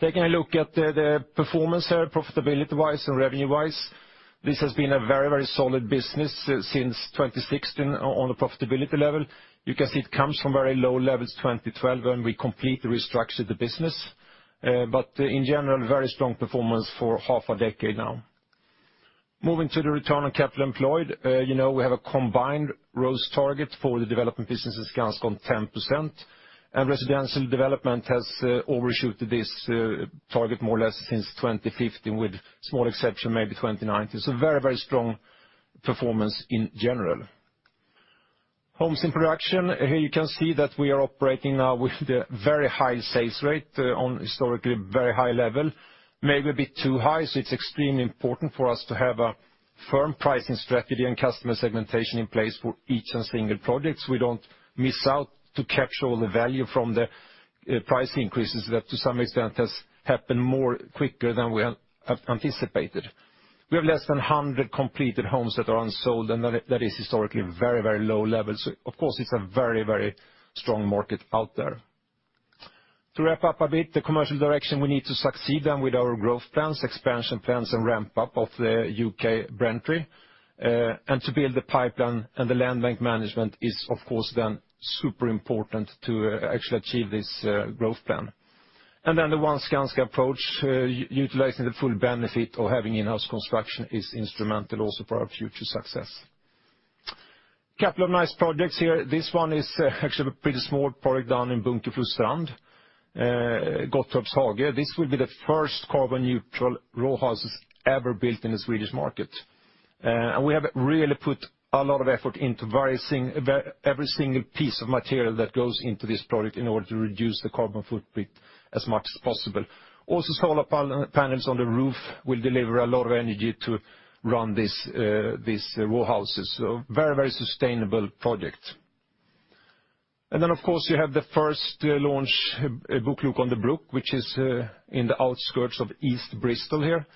Taking a look at the performance here, profitability-wise and revenue-wise. This has been a very, very solid business since 2016 on the profitability level. You can see it comes from very low levels, 2012, when we completely restructured the business. In general, very strong performance for half a decade now. Moving to the return on capital employed, you know, we have a combined ROCE target for the development businesses Skanska of 10%. Residential Development has overshot this target more or less since 2015 with small exception, maybe 2019. Very, very strong performance in general. Homes in production. Here you can see that we are operating now with a very high sales rate on historically very high level, maybe a bit too high. It's extremely important for us to have a firm pricing strategy and customer segmentation in place for each and single projects. We don't miss out to capture all the value from the price increases that to some extent has happened more quicker than we had anticipated. We have less than 100 completed homes that are unsold, and that is historically very, very low levels. Of course, it's a very, very strong market out there. To wrap up a bit, the commercial direction, we need to succeed then with our growth plans, expansion plans, and ramp up of the UK brand entry. To build the pipeline and the land bank management is, of course, then super important to actually achieve this growth plan. The One Skanska approach, utilizing the full benefit of having in-house construction is instrumental also for our future success. Couple of nice projects here. This one is actually a pretty small project down in Bunkeflostrand, Gottorps Hage. This will be the first carbon neutral row houses ever built in the Swedish market. We have really put a lot of effort into varying every single piece of material that goes into this project in order to reduce the carbon footprint as much as possible. Also, solar panels on the roof will deliver a lot of energy to run these row houses. Very sustainable project. Of course, you have the first launch, BoKlok on the Brook, which is in the outskirts of East Bristol here.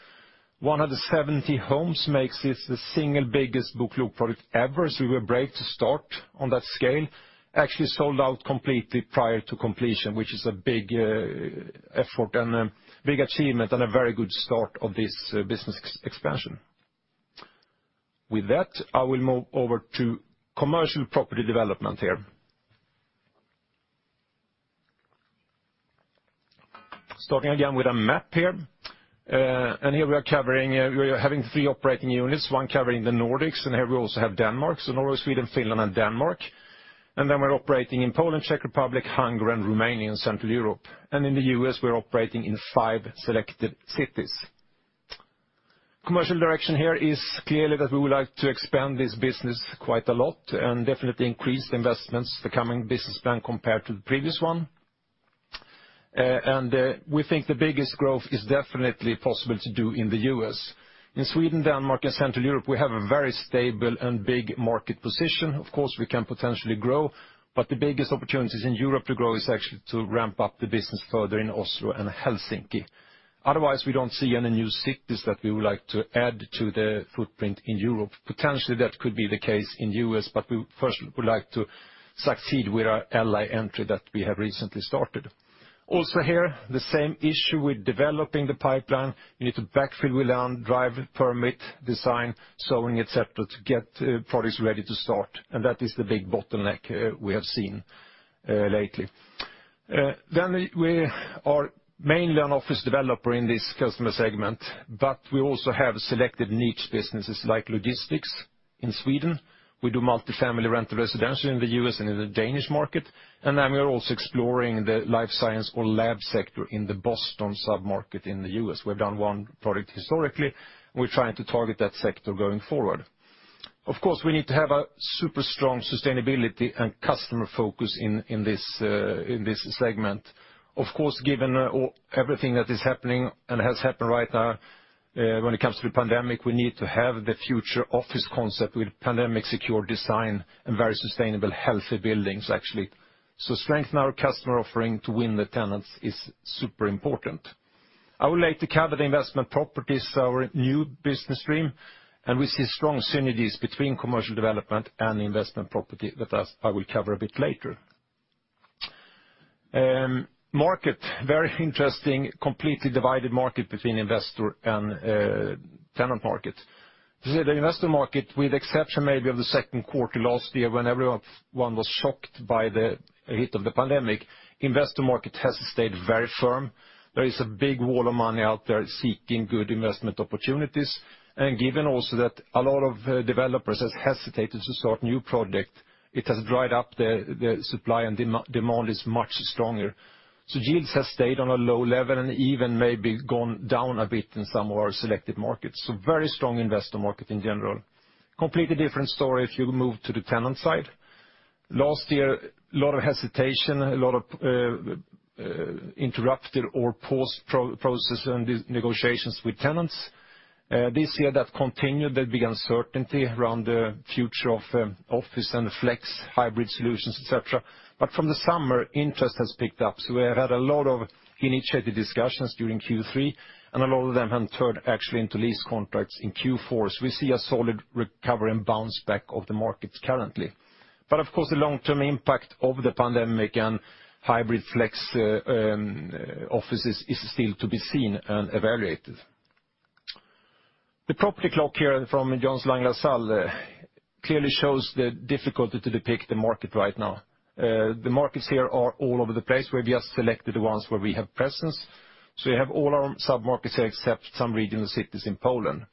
One of the 70 homes makes this the single biggest BoKlok project ever, so we were brave to start on that scale. Actually sold out completely prior to completion, which is a big effort and a big achievement and a very good start of this business expansion. With that, I will move over to Commercial Property Development here. Starting again with a map here. Here we are covering, we are having three operating units, one covering the Nordics, and here we also have Denmark. Norway, Sweden, Finland, and Denmark. Then we're operating in Poland, Czech Republic, Hungary, and Romania in Central Europe. In the U.S., we're operating in five selected cities. Commercial direction here is clearly that we would like to expand this business quite a lot and definitely increase investments, the coming business plan compared to the previous one. We think the biggest growth is definitely possible to do in the U.S. In Sweden, Denmark, and Central Europe, we have a very stable and big market position. Of course, we can potentially grow, but the biggest opportunities in Europe to grow is actually to ramp up the business further in Oslo and Helsinki. Otherwise, we don't see any new cities that we would like to add to the footprint in Europe. Potentially, that could be the case in U.S., but we first would like to succeed with our L.A. entry that we have recently started. Also here, the same issue with developing the pipeline. We need to backfill with land, drive permit, design, zoning, et cetera, to get products ready to start, and that is the big bottleneck we have seen lately. We are mainly an office developer in this customer segment, but we also have selected niche businesses like logistics in Sweden. We do multifamily rental residential in the U.S. and in the Danish market, and then we are also exploring the life science or lab sector in the Boston sub-market in the U.S. We've done one product historically, and we're trying to target that sector going forward. Of course, we need to have a super strong sustainability and customer focus in this segment. Of course, given all, everything that is happening and has happened right now, when it comes to the pandemic, we need to have the future office concept with pandemic-secure design and very sustainable, healthy buildings actually. Strengthening our customer offering to win the tenants is super important. I would like to cover the Investment Properties, our new business stream, and we see strong synergies between Commercial Development and investment property that I will cover a bit later. The market is very interesting, completely divided market between investor and tenant market. To see the investor market with exception maybe of the Q2 last year when everyone was shocked by the hit of the pandemic, investor market has stayed very firm. There is a big wall of money out there seeking good investment opportunities, and given also that a lot of developers has hesitated to start new project, it has dried up the supply and demand is much stronger. Yields has stayed on a low level and even maybe gone down a bit in some of our selected markets. Very strong investor market in general. Completely different story if you move to the tenant side. Last year, a lot of hesitation, a lot of interrupted or paused processes and negotiations with tenants. This year that continued. There'd be uncertainty around the future of office and flex hybrid solutions, et cetera. From the summer, interest has picked up, so we have had a lot of initiated discussions during Q3, and a lot of them have turned actually into lease contracts in Q4. We see a solid recovery and bounce back of the markets currently. Of course, the long-term impact of the pandemic and hybrid flex offices is still to be seen and evaluated. The property clock here from Jones Lang LaSalle clearly shows the difficulty to depict the market right now. The markets here are all over the place. We have just selected the ones where we have presence. We have all our sub-markets here except some regional cities in Poland.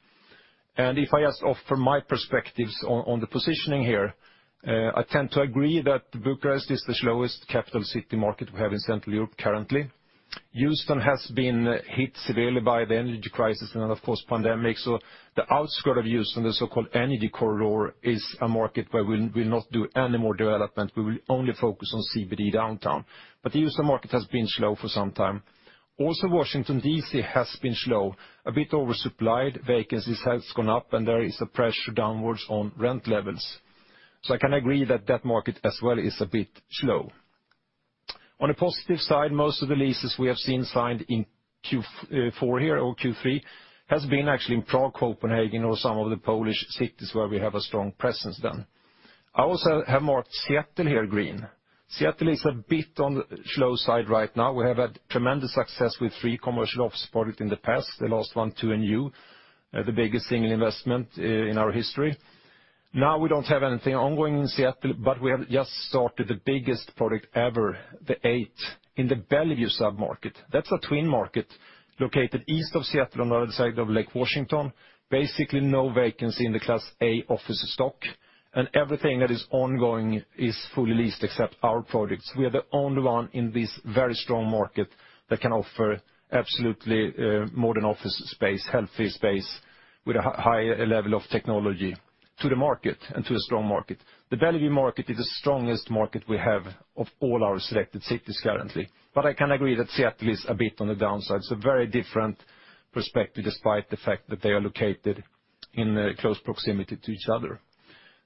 If I just offer my perspectives on the positioning here, I tend to agree that Bucharest is the slowest capital city market we have in Central Europe currently. Houston has been hit severely by the energy crisis and then of course pandemic, so the outskirts of Houston, the so-called Energy Corridor, is a market where we'll not do any more development. We will only focus on CBD downtown. The Houston market has been slow for some time. Washington, D.C. has been slow, a bit oversupplied. Vacancies has gone up, and there is a pressure downwards on rent levels. I can agree that that market as well is a bit slow. On a positive side, most of the leases we have seen signed in Q4 here or Q3 has been actually in Prague, Copenhagen, or some of the Polish cities where we have a strong presence then. I also have marked Seattle here green. Seattle is a bit on the slow side right now. We have had tremendous success with three commercial office product in the past, the last 2&U, the biggest single investment in our history. Now we don't have anything ongoing in Seattle, but we have just started the biggest product ever, The 8th, in the Bellevue sub-market. That's a twin market located east of Seattle on the other side of Lake Washington. Basically no vacancy in the Class A office stock, and everything that is ongoing is fully leased except our products. We are the only one in this very strong market that can offer absolutely modern office space, healthy space with a higher level of technology to the market and to a strong market. The Bellevue market is the strongest market we have of all our selected cities currently. I can agree that Seattle is a bit on the downside. It's a very different perspective despite the fact that they are located in close proximity to each other.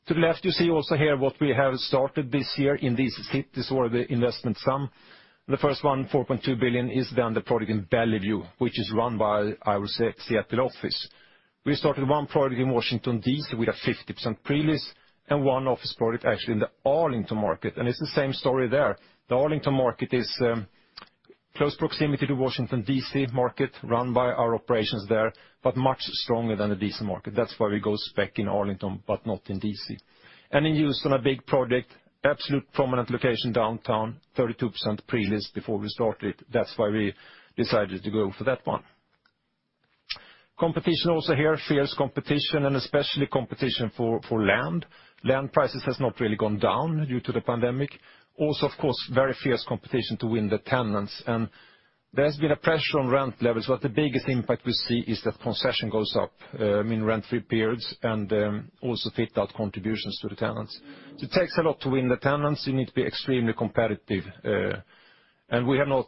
To the left, you see also here what we have started this year in these cities or the investment sum. The first one, $4.2 billion, is then the product in Bellevue, which is run by our Seattle office. We started one project in Washington, D.C. with a 50% pre-lease and one office product actually in the Arlington market, and it's the same story there. The Arlington market is close proximity to Washington, D.C. market, run by our operations there, but much stronger than the D.C. market. That's why we go spec in Arlington but not in D.C. In Houston, a big project, absolutely prominent location downtown, 32% pre-lease before we started. That's why we decided to go for that one. Competition also here, fierce competition, and especially competition for land. Land prices has not really gone down due to the pandemic. Also, of course, very fierce competition to win the tenants, and there's been a pressure on rent levels, but the biggest impact we see is that concession goes up in rent-free periods and also fit-out contributions to the tenants. It takes a lot to win the tenants. You need to be extremely competitive, and we have not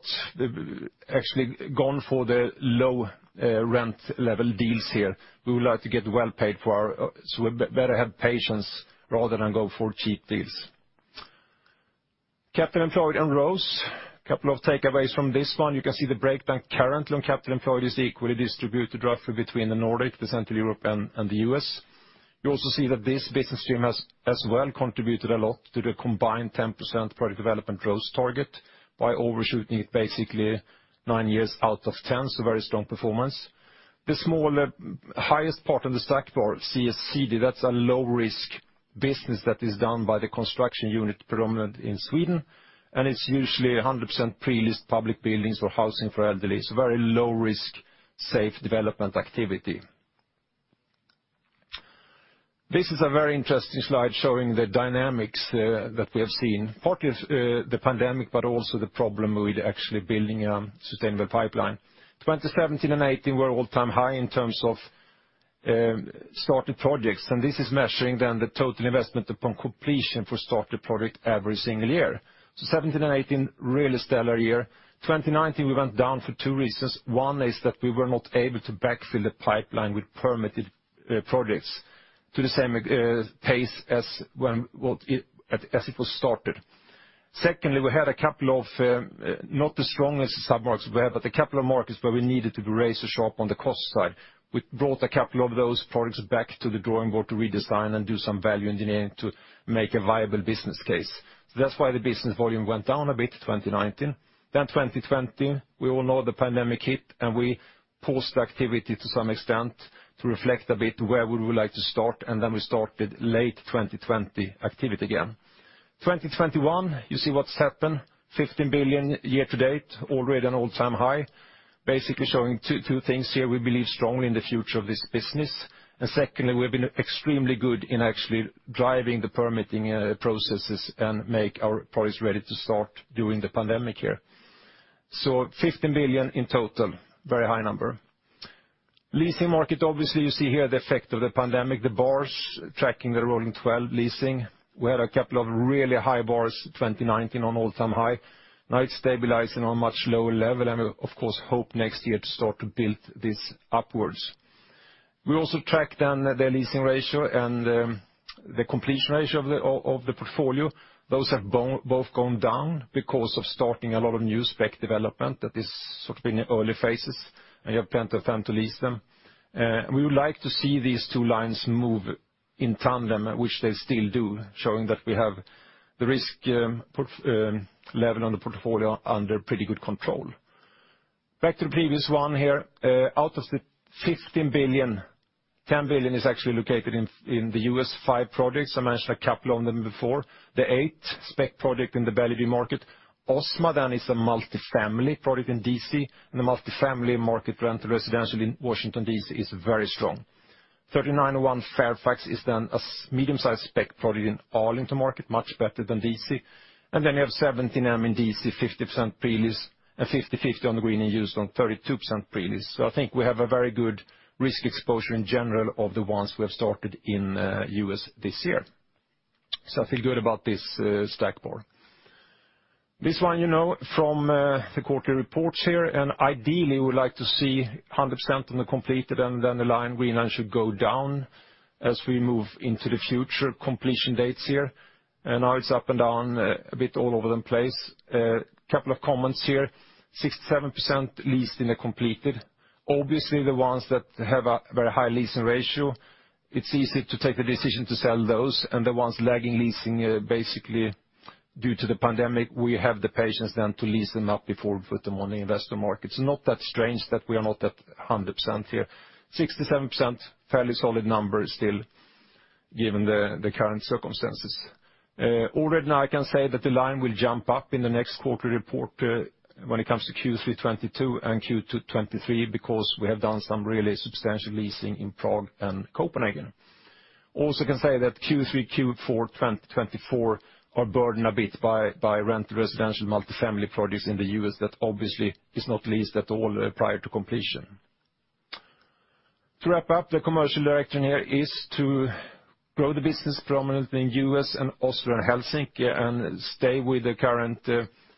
actually gone for the low rent level deals here. We would like to get well paid for our. So we better have patience rather than go for cheap deals. Capital employed rose. Couple of takeaways from this one. You can see the breakdown currently on capital employed is equally distributed roughly between the Nordic, the Central Europe, and the U.S. You also see that this business stream has, as well, contributed a lot to the combined 10% Project Development growth target by overshooting it basically nine years out of 10. Very strong performance. The smaller, highest part of the stack for CSCD, that's a low-risk business that is done by the Construction unit predominant in Sweden, and it's usually 100% pre-leased public buildings or housing for elderly. It's very low risk, safe development activity. This is a very interesting slide showing the dynamics that we have seen. Part is the pandemic, but also the problem with actually building a sustainable pipeline. 2017 and 2018 were all-time high in terms of started projects, and this is measuring then the total investment upon completion for started project every single year. 2017 and 2018, really stellar year. 2019, we went down for two reasons. One is that we were not able to backfill the pipeline with permitted projects to the same pace as when it was started. Secondly, we had a couple of not the strongest submarkets, but a couple of markets where we needed to raise the bar on the cost side. We brought a couple of those products back to the drawing board to redesign and do some value engineering to make a viable business case. That's why the business volume went down a bit, 2019. 2020, we all know the pandemic hit, and we paused activity to some extent to reflect a bit where we would like to start, and then we started late 2020 activity again. 2021, you see what's happened. 15 billion year-to-date, already an all-time high. Basically showing two things here. We believe strongly in the future of this business, and secondly, we've been extremely good in actually driving the permitting processes and make our products ready to start during the pandemic here. 15 billion in total, very high number. Leasing market, obviously, you see here the effect of the pandemic, the bars tracking the rolling 12 leasing. We had a couple of really high bars, 2019 on all-time high. Now it's stabilizing on much lower level, and we of course hope next year to start to build this upwards. We also tracked down the leasing ratio and the completion ratio of the portfolio. Those have both gone down because of starting a lot of new spec development that is sort of in early phases, and you have plenty of time to lease them. We would like to see these two lines move in tandem, which they still do, showing that we have the risk level on the portfolio under pretty good control. Back to the previous one here. Out of the 15 billion, 10 billion is actually located in the U.S. five projects. I mentioned a couple of them before. The 8th spec project in the Bellevue market. OZMA then is a multifamily project in D.C., and the multifamily market rent residential in Washington, D.C. is very strong. 3901 Fairfax is then a medium-sized spec project in Arlington market, much better than D.C. Then you have 17xM in D.C., 50% pre-lease, and 1550 on the Green and 2&U on 32% pre-lease. I think we have a very good risk exposure in general of the ones we have started in, U.S. this year. I feel good about this, stack board. This one you know from, the quarterly reports here, and ideally, we would like to see 100% on the completed, and then the line green line should go down as we move into the future completion dates here. Now it's up and down a bit all over the place. A couple of comments here. 67% leased in a completed. Obviously, the ones that have a very high leasing ratio, it's easy to take the decision to sell those. The ones lagging leasing, basically due to the pandemic, we have the patience then to lease them up before we put them on the investor market. Not that strange that we are not at 100% here. 67%, fairly solid number still, given the current circumstances. Already now I can say that the line will jump up in the next quarterly report, when it comes to Q3 2022 and Q2 2023, because we have done some really substantial leasing in Prague and Copenhagen. I can say that Q3, Q4 2024 are burdened a bit by rental residential multifamily projects in the U.S. that obviously is not leased at all, prior to completion. To wrap up, the commercial direction here is to grow the business prominently in U.S. and Oslo, and Helsinki, and stay with the current,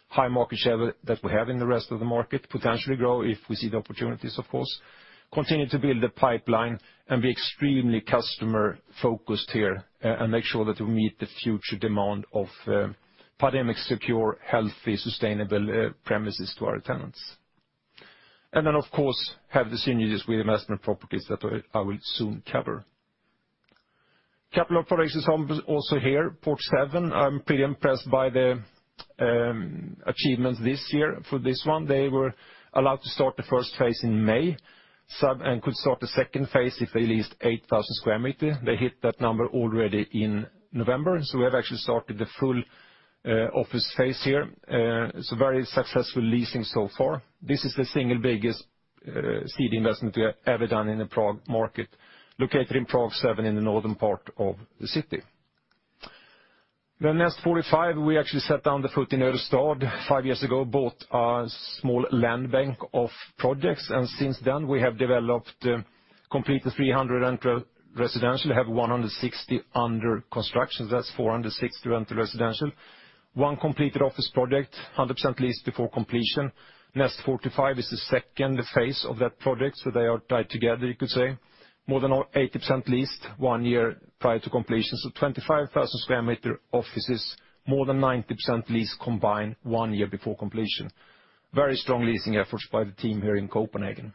high market share that we have in the rest of the market, potentially grow if we see the opportunities, of course. Continue to build the pipeline and be extremely customer-focused here and make sure that we meet the future demand of pandemic-secure, healthy, sustainable premises to our tenants. Then, of course, have the synergies with Investment Properties that I will soon cover. Couple of projects also here, Port7. I'm pretty impressed by the achievements this year for this one. They were allowed to start the first phase in May and could start the second phase if they leased 8,000 square meters. They hit that number already in November, so we have actually started the full office phase here. So very successful leasing so far. This is the single biggest CD investment we have ever done in the Prague market, located in Prague 7 in the northern part of the city. Next 45, we actually set foot in Ørestad five years ago, bought a small land bank of projects. Since then, we have developed, completed 360 residential, have 160 under construction. That's 460 rental residential. One completed office project, 100% leased before completion. Next 45 is the second phase of that project, so they are tied together, you could say. More than 80% leased one year prior to completion. 25000 square meters offices, more than 90% leased combined one year before completion. Very strong leasing efforts by the team here in Copenhagen.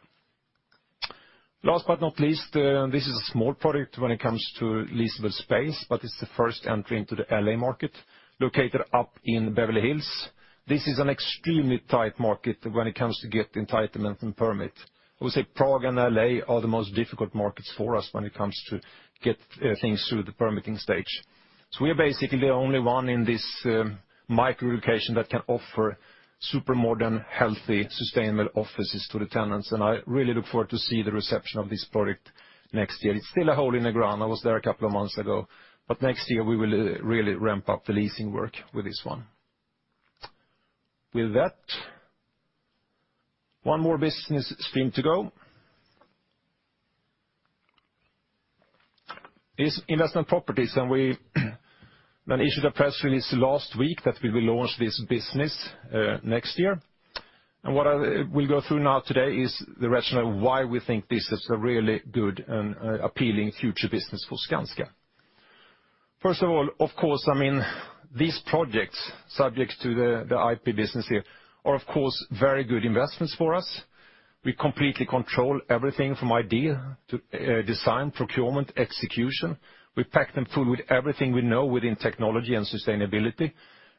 Last but not least, this is a small project when it comes to leasable space, but it's the first entry into the L.A. market, located up in Beverly Hills. This is an extremely tight market when it comes to get entitlement and permit. I would say Prague and L.A. are the most difficult markets for us when it comes to get things through the permitting stage. We are basically the only one in this micro-location that can offer super modern, healthy, sustainable offices to the tenants. I really look forward to see the reception of this product next year. It's still a hole in the ground. I was there a couple of months ago. Next year, we will really ramp up the leasing work with this one. With that, one more business stream to go. It's Investment Properties, and we then issued a press release last week that we will launch this business next year. What we'll go through now today is the rationale why we think this is a really good and appealing future business for Skanska. First of all, of course, I mean, these projects in the IP business here are, of course, very good investments for us. We completely control everything from idea to design, procurement, execution. We pack them full with everything we know within technology and sustainability.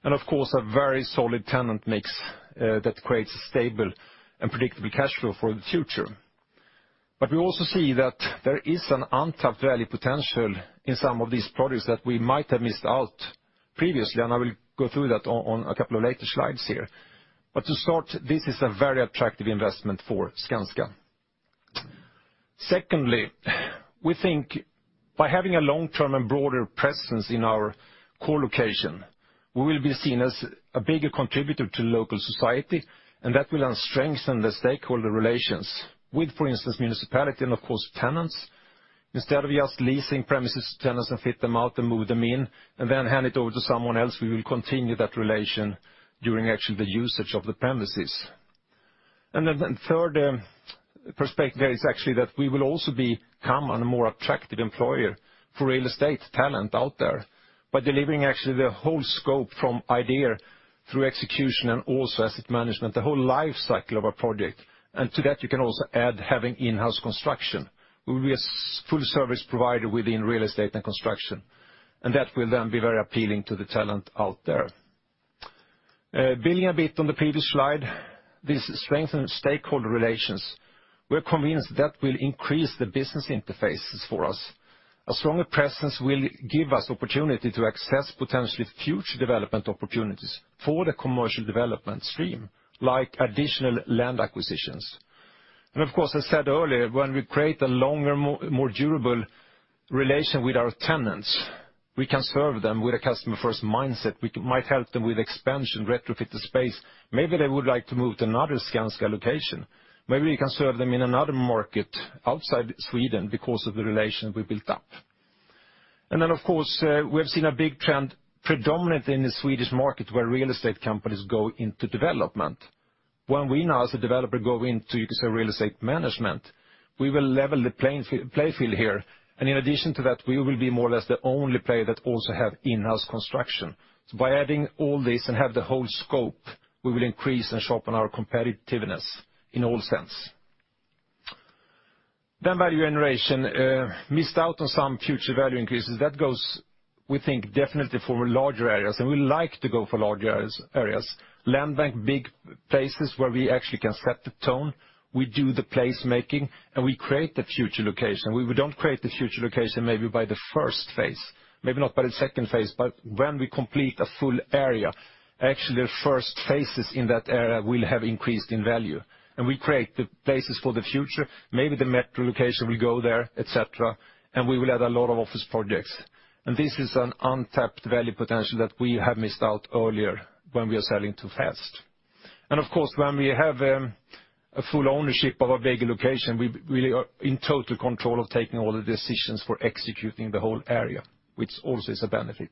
Of course, a very solid tenant mix that creates a stable and predictable cash flow for the future. We also see that there is an untapped value potential in some of these projects that we might have missed out previously, and I will go through that on a couple of later slides here. To start, this is a very attractive investment for Skanska. Secondly, we think by having a long-term and broader presence in our core location, we will be seen as a bigger contributor to local society, and that will then strengthen the stakeholder relations with, for instance, municipality and of course, tenants. Instead of just leasing premises to tenants and fit them out and move them in and then hand it over to someone else, we will continue that relation during actually the usage of the premises. Third perspective there is actually that we will also become a more attractive employer for real estate talent out there by delivering actually the whole scope from idea through execution and also asset management, the whole life cycle of a project. To that, you can also add having in-house construction. We'll be a full service provider within real estate and construction, and that will then be very appealing to the talent out there. Building a bit on the previous slide, this strengthened stakeholder relations, we're convinced that will increase the business interfaces for us. A stronger presence will give us opportunity to access potentially future development opportunities for the Commercial Development stream, like additional land acquisitions. Of course, as said earlier, when we create a longer, more durable relation with our tenants, we can serve them with a customer-first mindset. We might help them with expansion, retrofit the space. Maybe they would like to move to another Skanska location. Maybe we can serve them in another market outside Sweden because of the relation we built up. Of course, we have seen a big trend predominantly in the Swedish market where real estate companies go into development. When we now as a developer go into, you could say, real estate management, we will level the playing field here. In addition to that, we will be more or less the only player that also have in-house construction. By adding all this and have the whole scope, we will increase and sharpen our competitiveness in all sense. Value generation missed out on some future value increases. That goes, we think, definitely for larger areas, and we like to go for larger areas. Land bank, big places where we actually can set the tone. We do the placemaking, and we create the future location. We don't create the future location maybe by the first phase, maybe not by the second phase, but when we complete a full area, actually, the first phases in that area will have increased in value. We create the places for the future. Maybe the metro location will go there, et cetera, and we will add a lot of office projects. This is an untapped value potential that we have missed out earlier when we are selling too fast. Of course, when we have a full ownership of a bigger location, we are in total control of taking all the decisions for executing the whole area, which also is a benefit.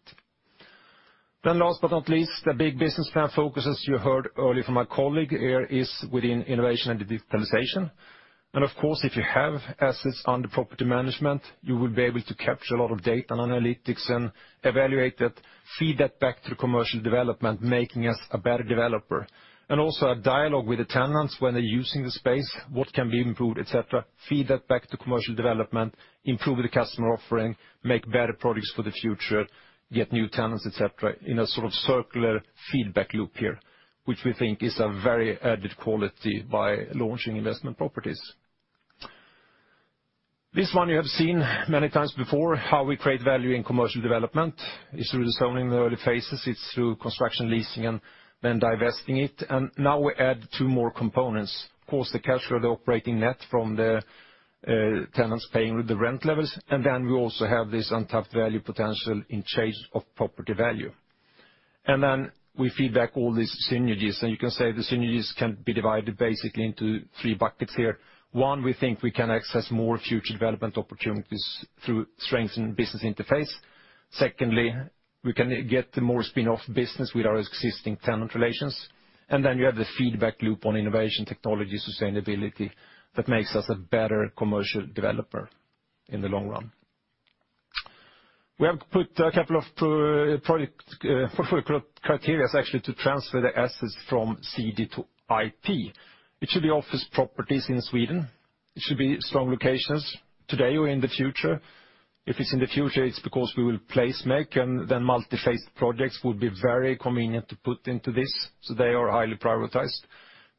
Last but not least, the big business plan focus, as you heard earlier from my colleague here, is within innovation and digitalization. Of course, if you have assets under property management, you will be able to capture a lot of data and analytics and evaluate that, feed that back to the Commercial Development, making us a better developer. Also have dialogue with the tenants when they're using the space, what can be improved, et cetera. Feed that back to Commercial Development, improve the customer offering, make better products for the future, get new tenants, et cetera, in a sort of circular feedback loop here, which we think is a very added quality by launching Investment Properties. This one you have seen many times before, how we create value in Commercial Development. It's through the zoning in the early phases. It's through construction, leasing, and then divesting it. Now we add two more components. Of course, the cash flow, the operating net from the tenants paying with the rent levels. Then we also have this untapped value potential in change of property value. Then we feed back all these synergies, and you can say the synergies can be divided basically into three buckets here. One, we think we can access more future development opportunities through strengths in business interface. Secondly, we can get more spin-off business with our existing tenant relations. Then you have the feedback loop on innovation, technology, sustainability that makes us a better commercial developer in the long run. We have put a couple of project portfolio criteria actually to transfer the assets from CD to IP. It should be office properties in Sweden. It should be strong locations today or in the future. If it's in the future, it's because we will place them, and then multiphase projects will be very convenient to put into this, so they are highly prioritized.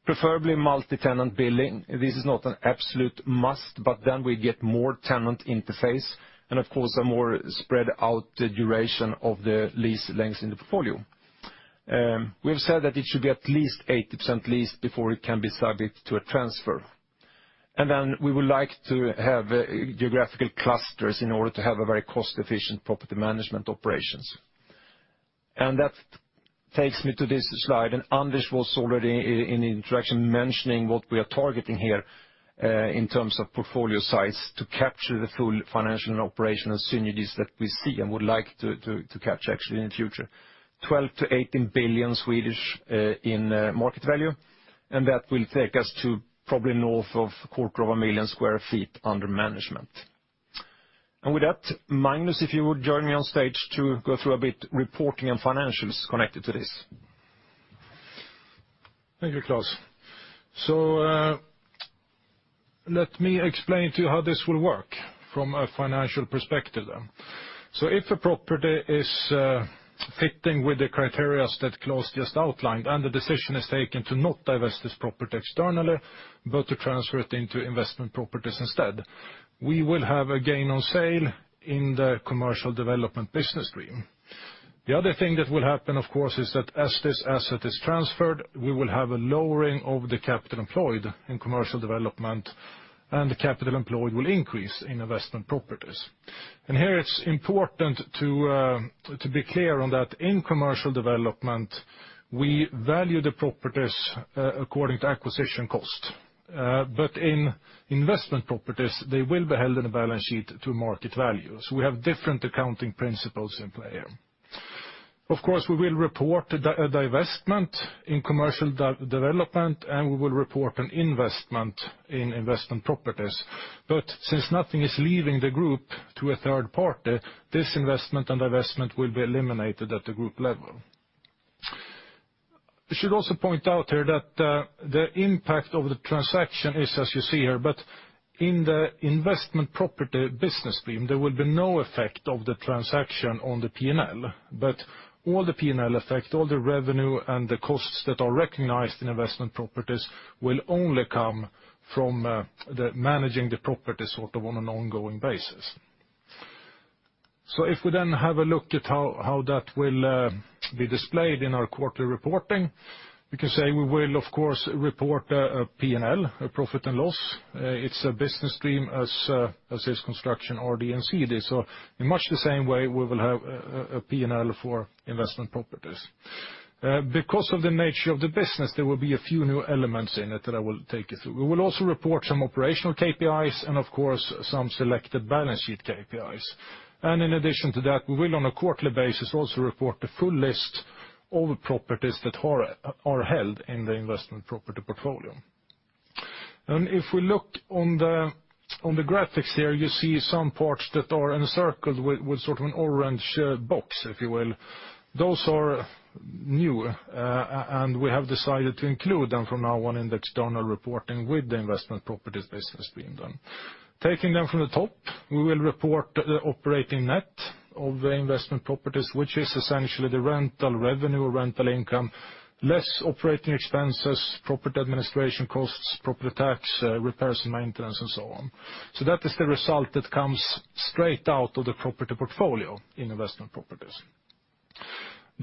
Preferably multi-tenant building. This is not an absolute must, but then we get more tenant interface, and of course, a more spread out duration of the lease lengths in the portfolio. We have said that it should be at least 80% leased before it can be subject to a transfer. We would like to have geographical clusters in order to have a very cost-efficient property management operations. That takes me to this slide. Anders was already in interaction mentioning what we are targeting here, in terms of portfolio size to capture the full financial and operational synergies that we see and would like to capture actually in the future. 12 billion-18 billion in market value, and that will take us to probably north of a quarter of a million sq ft under management. With that, Magnus, if you would join me on stage to go through to a bit reporting and financials connected to this. Thank you, Claes. Let me explain to you how this will work from a financial perspective. If a property is fitting the criteria that Claes just outlined, and the decision is taken to not divest this property externally, but to transfer it into Investment Properties instead, we will have a gain on sale in the Commercial Development business stream. The other thing that will happen, of course, is that as this asset is transferred, we will have a lowering of the capital employed in Commercial Development, and the capital employed will increase in Investment Properties. Here it's important to be clear on that in Commercial Development, we value the properties according to acquisition cost. But in Investment Properties, they will be held in a balance sheet at market value. We have different accounting principles in play here. Of course, we will report a divestment in Commercial Development, and we will report an investment in Investment Properties. Since nothing is leaving the group to a third party, this investment and divestment will be eliminated at the group level. We should also point out here that the impact of the transaction is as you see here, but in the investment property business stream, there will be no effect of the transaction on the P&L. All the P&L effect, all the revenue and the costs that are recognized in Investment Properties will only come from managing the property sort of on an ongoing basis. If we then have a look at how that will be displayed in our quarterly reporting, we can say we will of course report a P&L, profit and loss. It's a business stream as is construction already, and CD. In much the same way, we will have a P&L for Investment Properties. Because of the nature of the business, there will be a few new elements in it that I will take you through. We will also report some operational KPIs and of course some selected balance sheet KPIs. In addition to that, we will on a quarterly basis also report the full list of properties that are held in the Investment Properties portfolio. If we look on the graphics here, you see some parts that are encircled with sort of an orange box, if you will. Those are new, and we have decided to include them from now on in the external reporting with the Investment Properties business being done. Taking them from the top, we will report the operating net of the Investment Properties, which is essentially the rental revenue or rental income, less operating expenses, property administration costs, property tax, repairs and maintenance and so on. That is the result that comes straight out of the property portfolio in Investment Properties.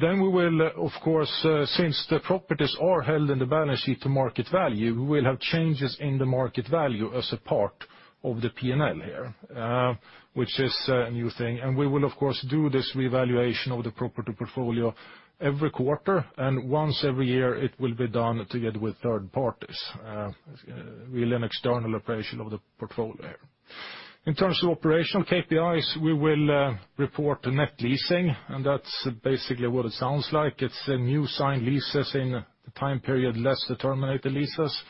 We will, of course, since the properties are held in the balance sheet to market value, we will have changes in the market value as a part of the P&L here, which is a new thing. We will of course, do this reevaluation of the property portfolio every quarter, and once every year, it will be done together with third parties, really an external operation of the portfolio. In terms of operational KPIs, we will report the net leasing, and that's basically what it sounds like. It's the new signed leases in the time period, less the terminated leases,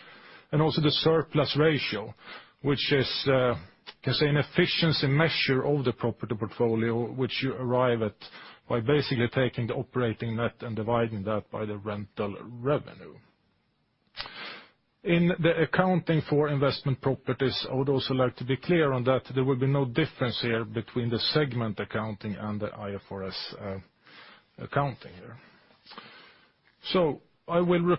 and also the surplus ratio, which is, you can say an efficiency measure of the property portfolio, which you arrive at by basically taking the operating net and dividing that by the rental revenue. In the accounting for Investment Properties, I would also like to be clear on that there will be no difference here between the segment accounting and the IFRS accounting here. I will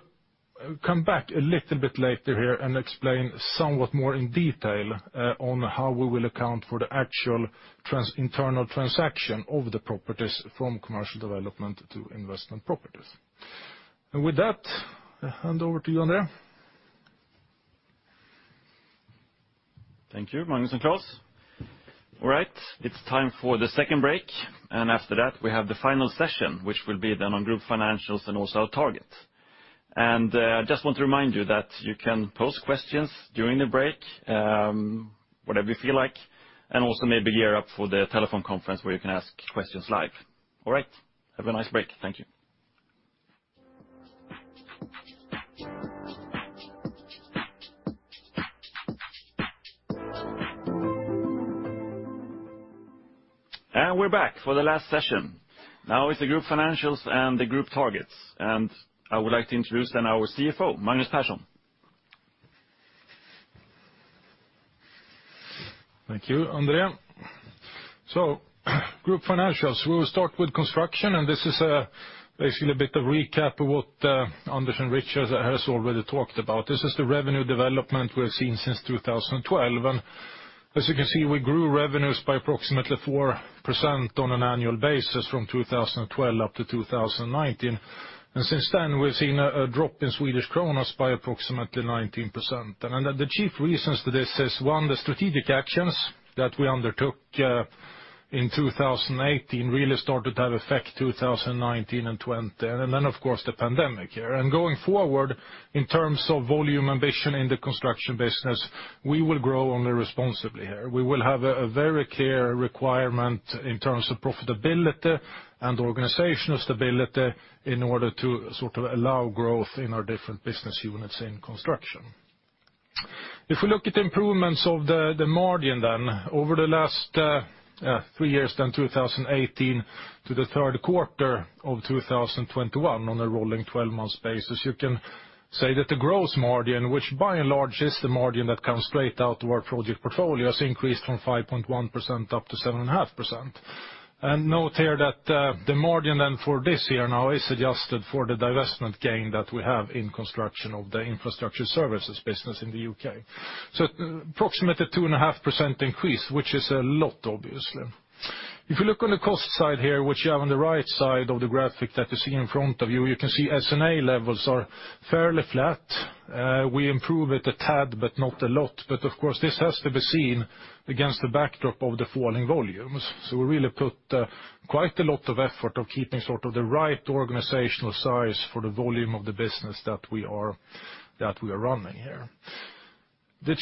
come back a little bit later here and explain somewhat more in detail, on how we will account for the actual internal transaction of the properties from Commercial Development to Investment Properties. With that, I hand over to you, André. Thank you, Magnus and Claes. All right, it's time for the second break, and after that, we have the final session, which will be then on group financials and also our targets. I just want to remind you that you can pose questions during the break, whatever you feel like, and also maybe gear up for the telephone conference where you can ask questions live. All right, have a nice break. Thank you. We're back for the last session. Now is the group financials and the group targets. I would like to introduce then our CFO, Magnus Persson. Thank you, André. Group financials. We will start with Construction, and this is basically a bit of recap of what Anders and Richard has already talked about. This is the revenue development we've seen since 2012. As you can see, we grew revenues by approximately 4% on an annual basis from 2012 to 2019. Since then, we've seen a drop in Swedish kronor by approximately 19%. Then the chief reasons to this is one, the strategic actions that we undertook in 2018 really started to have effect 2019 and 2020, and then, of course, the pandemic here. Going forward, in terms of volume ambition in the Construction business, we will grow only responsibly here. We will have a very clear requirement in terms of profitability and organizational stability in order to sort of allow growth in our different business units in Construction. If we look at the improvements of the margin then over the last three years from 2018 to the Q3 of 2021 on a rolling 12-month basis, you can say that the gross margin, which by and large is the margin that comes straight out of our project portfolio, has increased from 5.1% up to 7.5%. Note here that the margin then for this year now is adjusted for the divestment gain that we have in Construction of the infrastructure services business in the U.K. Approximately 2.5% increase, which is a lot, obviously. If you look on the cost side here, which you have on the right side of the graphic that you see in front of you can see SG&A levels are fairly flat. We improve it a tad, but not a lot. Of course, this has to be seen against the backdrop of the falling volumes. We really put quite a lot of effort into keeping sort of the right organizational size for the volume of the business that we are running here. The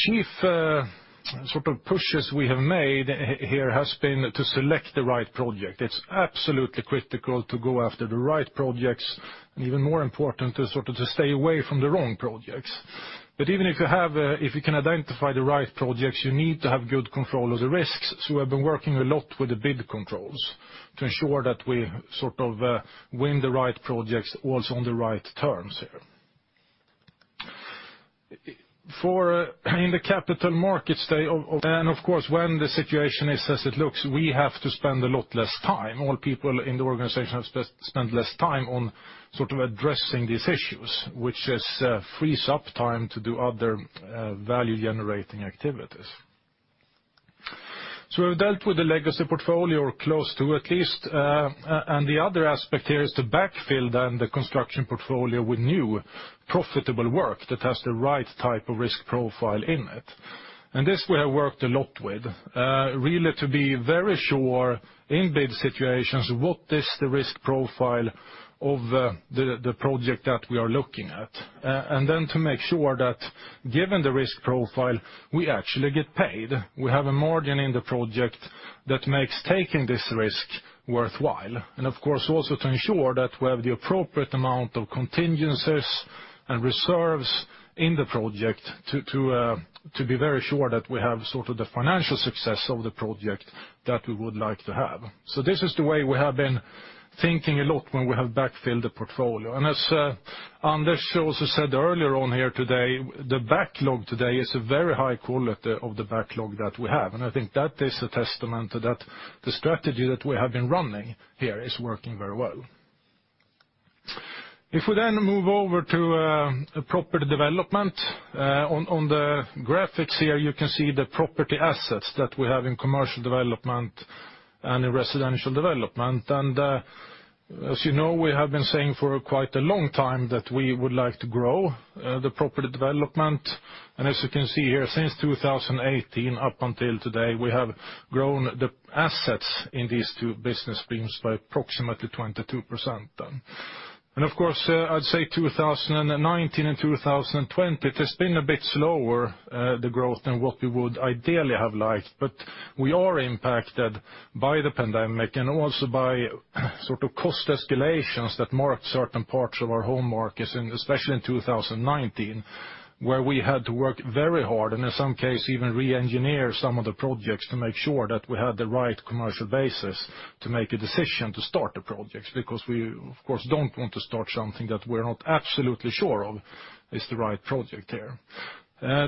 key pushes we have made here have been to select the right project. It's absolutely critical to go after the right projects, and even more important to sort of stay away from the wrong projects. Even if you have if you can identify the right projects, you need to have good control of the risks, so we have been working a lot with the bid controls to ensure that we sort of win the right projects also on the right terms here. In the Capital Markets Day, of course, when the situation is as it looks, we have to spend a lot less time. All people in the organization have spent less time on sort of addressing these issues, which has freed up time to do other value-generating activities. We've dealt with the legacy portfolio close to at least, and the other aspect here is to backfill then the construction portfolio with new profitable work that has the right type of risk profile in it. This we have worked a lot with, really to be very sure in bid situations what is the risk profile of the project that we are looking at. And then to make sure that given the risk profile, we actually get paid. We have a margin in the project that makes taking this risk worthwhile. Of course, also to ensure that we have the appropriate amount of contingencies and reserves in the project to be very sure that we have sort of the financial success of the project that we would like to have. This is the way we have been thinking a lot when we have backfilled the portfolio. As Anders also said earlier on here today, the backlog today is a very high quality of the backlog that we have. I think that is a testament to that the strategy that we have been running here is working very well. If we then move over to Property Development, on the graphics here, you can see the property assets that we have in Commercial Development and in Residential Development. As you know, we have been saying for quite a long time that we would like to grow the Property Development. As you can see here, since 2018 up until today, we have grown the assets in these two business streams by approximately 22% then. Of course, I'd say 2019 and 2020, it has been a bit slower the growth than what we would ideally have liked. We are impacted by the pandemic and also by sort of cost escalations that marked certain parts of our home markets, and especially in 2019, where we had to work very hard, and in some cases, even re-engineer some of the projects to make sure that we had the right commercial basis to make a decision to start the projects, because we, of course, don't want to start something that we're not absolutely sure of is the right project there.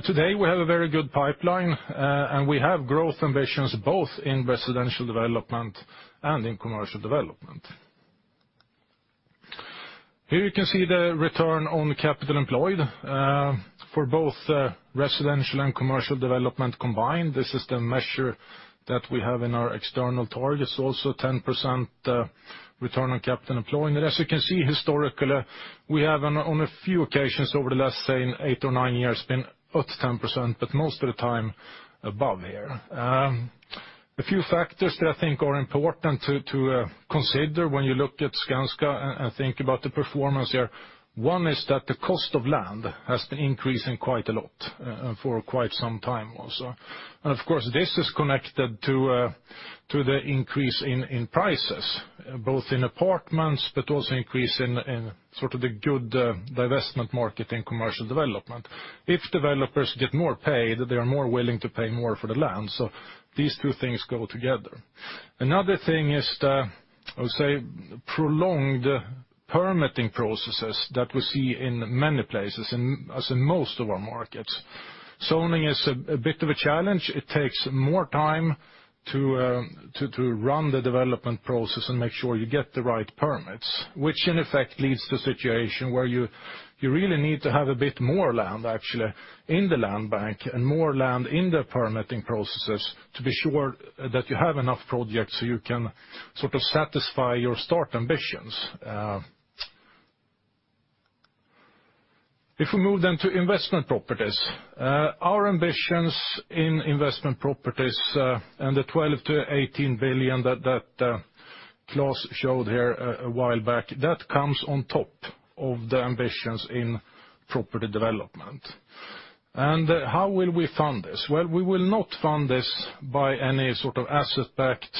Today, we have a very good pipeline, and we have growth ambitions both in Residential Development and in Commercial Development. Here you can see the return on capital employed, for Residential Development and Commercial Development combined. This is the measure that we have in our external targets, also 10% return on capital employed. As you can see historically, we have on a few occasions over the last, say, eight or nine years, been at 10%, but most of the time above here. A few factors that I think are important to consider when you look at Skanska and think about the performance here, one is that the cost of land has been increasing quite a lot for quite some time also. Of course, this is connected to the increase in prices, both in apartments but also the increase in sort of the good divestment market in Commercial Development. If developers get more pay, they are more willing to pay more for the land. These two things go together. Another thing is, I would say, prolonged permitting processes that we see in many places, as in most of our markets. Zoning is a bit of a challenge. It takes more time to run the development process and make sure you get the right permits, which in effect leads to a situation where you really need to have a bit more land actually in the land bank and more land in the permitting processes to be sure that you have enough projects so you can sort of satisfy your start ambitions. If we move then to Investment Properties, our ambitions in Investment Properties, and the 12 billion-18 billion that Claes showed here a while back, that comes on top of the ambitions in Property Development. How will we fund this? Well, we will not fund this by any sort of asset-backed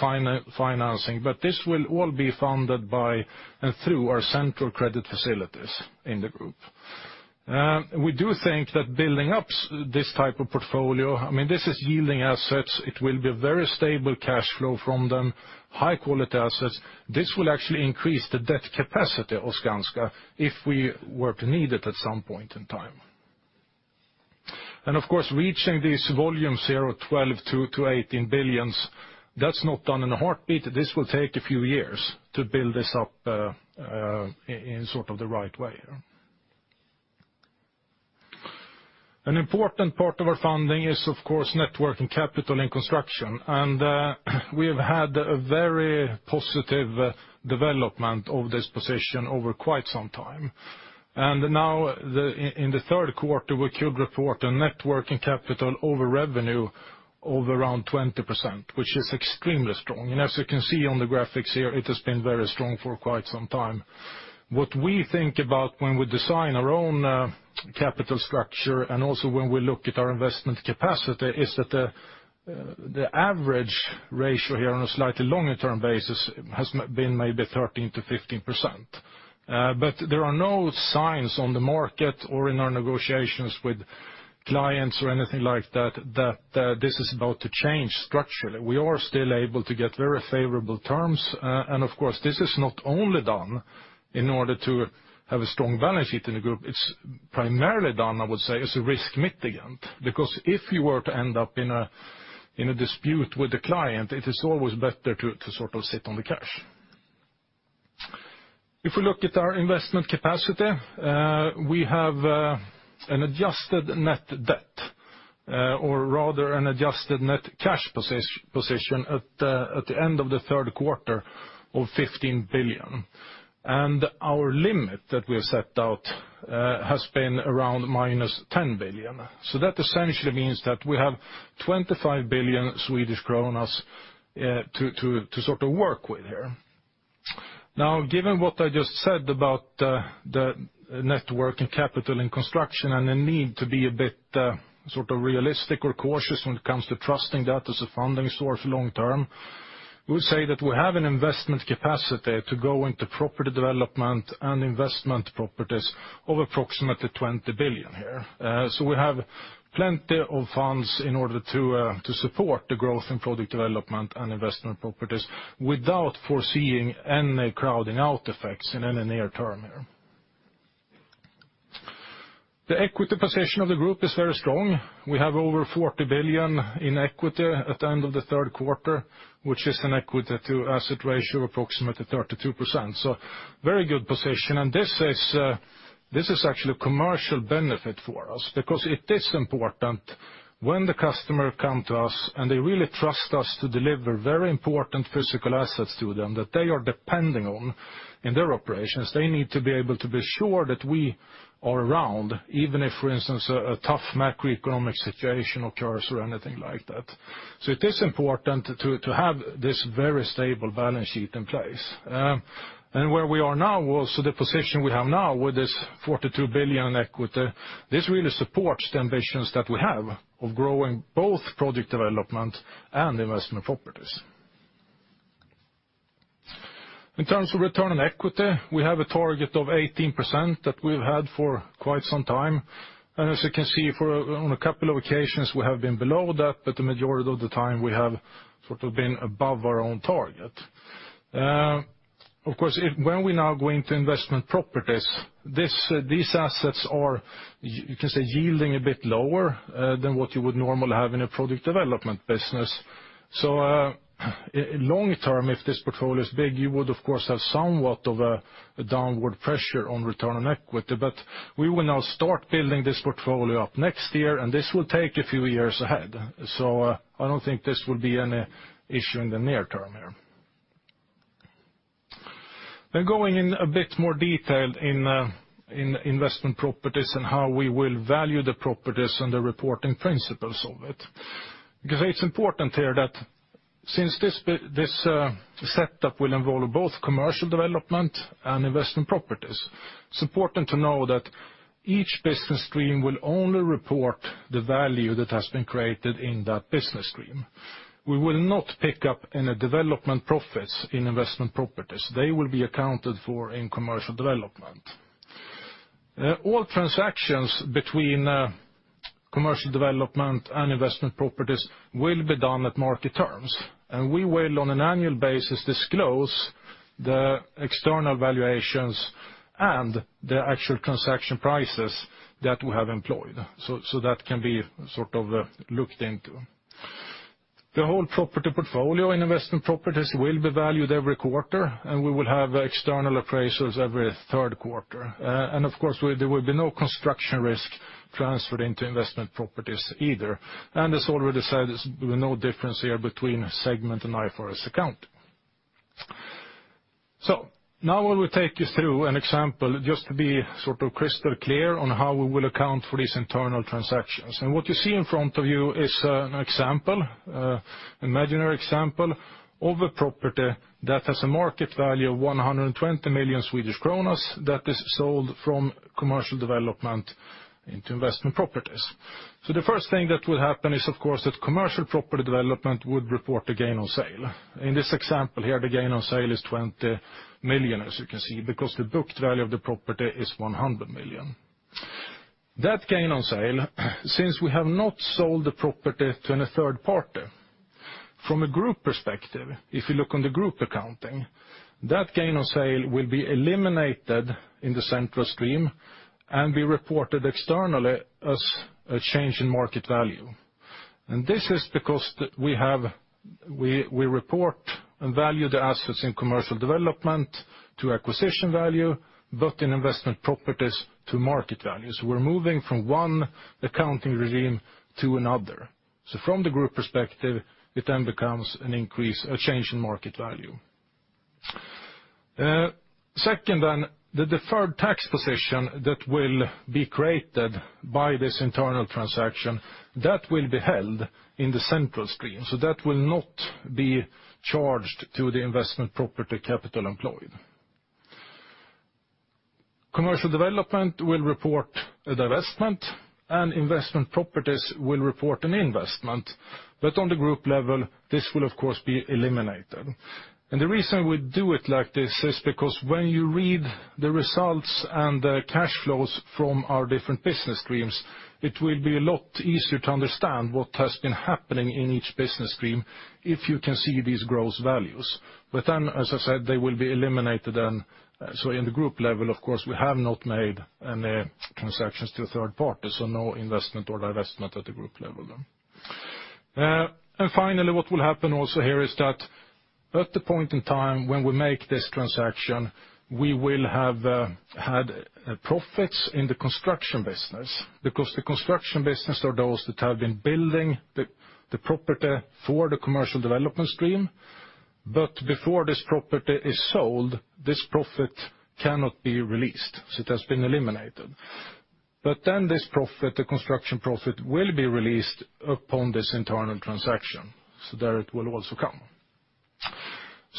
financing, but this will all be funded by and through our central credit facilities in the group. We do think that building up this type of portfolio, I mean, this is yielding assets. It will be a very stable cash flow from them, high quality assets. This will actually increase the debt capacity of Skanska if we were to need it at some point in time. Of course, reaching these volumes here of 12 billion-18 billion, that's not done in a heartbeat. This will take a few years to build this up in sort of the right way. An important part of our funding is, of course, net working capital and construction. We have had a very positive development of this position over quite some time. In the Q3, we could report a net working capital over revenue of around 20%, which is extremely strong. As you can see on the graphics here, it has been very strong for quite some time. What we think about when we design our own capital structure and also when we look at our investment capacity is that the average ratio here on a slightly longer term basis has been maybe 13%-15%. There are no signs on the market or in our negotiations with clients or anything like that, this is about to change structurally. We are still able to get very favorable terms. Of course, this is not only done in order to have a strong balance sheet in the group. It's primarily done, I would say, as a risk mitigant, because if you were to end up in a dispute with a client, it is always better to sort of sit on the cash. If we look at our investment capacity, we have an adjusted net debt, or rather an adjusted net cash position at the end of the Q3 of 15 billion. Our limit that we have set out has been around -10 billion. That essentially means that we have 25 billion Swedish kronor to sort of work with here. Now, given what I just said about the net working capital and construction and the need to be a bit sort of realistic or cautious when it comes to trusting that as a funding source long term, we say that we have an investment capacity to go into Property Development and Investment Properties of approximately 20 billion here. We have plenty of funds in order to support the growth in Property Development and Investment Properties without foreseeing any crowding out effects in any near term here. The equity position of the group is very strong. We have over 40 billion in equity at the end of the Q3, which is an equity to asset ratio of approximately 32%. Very good position. This is actually a commercial benefit for us because it is important when the customer come to us and they really trust us to deliver very important physical assets to them that they are depending on in their operations. They need to be able to be sure that we are around, even if, for instance, a tough macroeconomic situation occurs or anything like that. It is important to have this very stable balance sheet in place. Where we are now, the position we have now with this 42 billion in equity, this really supports the ambitions that we have of growing both Project Development and Investment Properties. In terms of return on equity, we have a target of 18% that we've had for quite some time. As you can see, on a couple of occasions, we have been below that, but the majority of the time we have sort of been above our own target. Of course, if, when we now go into Investment Properties, these assets are you can say yielding a bit lower than what you would normally have in a Product Development business. So, long term, if this portfolio is big, you would of course have somewhat of a downward pressure on return on equity. But we will now start building this portfolio up next year, and this will take a few years ahead. So, I don't think this will be any issue in the near term here. Going in a bit more detail in Investment Properties and how we will value the properties and the reporting principles of it. Because it's important here that since this setup will involve both Commercial Development and Investment Properties, it's important to know that each business stream will only report the value that has been created in that business stream. We will not pick up any development profits in Investment Properties. They will be accounted for in Commercial Development. All transactions between Commercial Development and Investment Properties will be done at market terms. We will, on an annual basis, disclose the external valuations and the actual transaction prices that we have employed. So that can be sort of looked into. The whole property portfolio in Investment Properties will be valued every quarter, and we will have external appraisals every Q3. Of course there will be no construction risk transferred into Investment Properties either. As already said, there's no difference here between segment and IFRS account. Now I will take you through an example, just to be sort of crystal clear on how we will account for these internal transactions. What you see in front of you is an example, imaginary example of a property that has a market value of 120 million Swedish kronor that is sold from Commercial Development into Investment Properties. The first thing that will happen is of course that Commercial Property Development would report a gain on sale. In this example here, the gain on sale is 20 million, as you can see, because the book value of the property is 100 million. That gain on sale, since we have not sold the property to a third party, from a group perspective, if you look on the group accounting, that gain on sale will be eliminated in the central stream and be reported externally as a change in market value. This is because we report and value the assets in Commercial Development to acquisition value, but in Investment Properties to market values. We're moving from one accounting regime to another. From the group perspective, it then becomes a change in market value. Second then, the deferred tax position that will be created by this internal transaction, that will be held in the central stream, so that will not be charged to the Investment Properties capital employed. Commercial Development will report a divestment, and Investment Properties will report an investment. On the group level, this will of course be eliminated. The reason we do it like this is because when you read the results and the cash flows from our different business streams, it will be a lot easier to understand what has been happening in each business stream if you can see these gross values. Then, as I said, they will be eliminated then. In the group level, of course, we have not made any transactions to a third party, so no investment or divestment at the group level. And finally, what will happen also here is that at the point in time when we make this transaction, we will have had profits in the construction business, because the construction business are those that have been building the property for the Commercial Development stream. Before this property is sold, this profit cannot be released, so it has been eliminated. This profit, the construction profit, will be released upon this internal transaction, so there it will also come.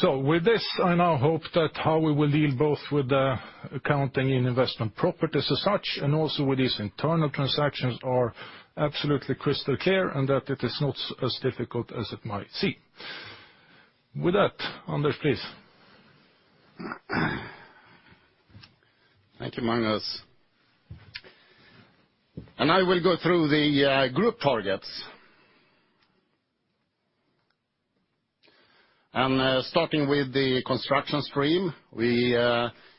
With this, I now hope that how we will deal both with the accounting in Investment Properties as such, and also with these internal transactions, are absolutely crystal clear and that it is not as difficult as it might seem. With that, Anders, please. Thank you, Magnus. I will go through the group targets. Starting with the Construction stream, we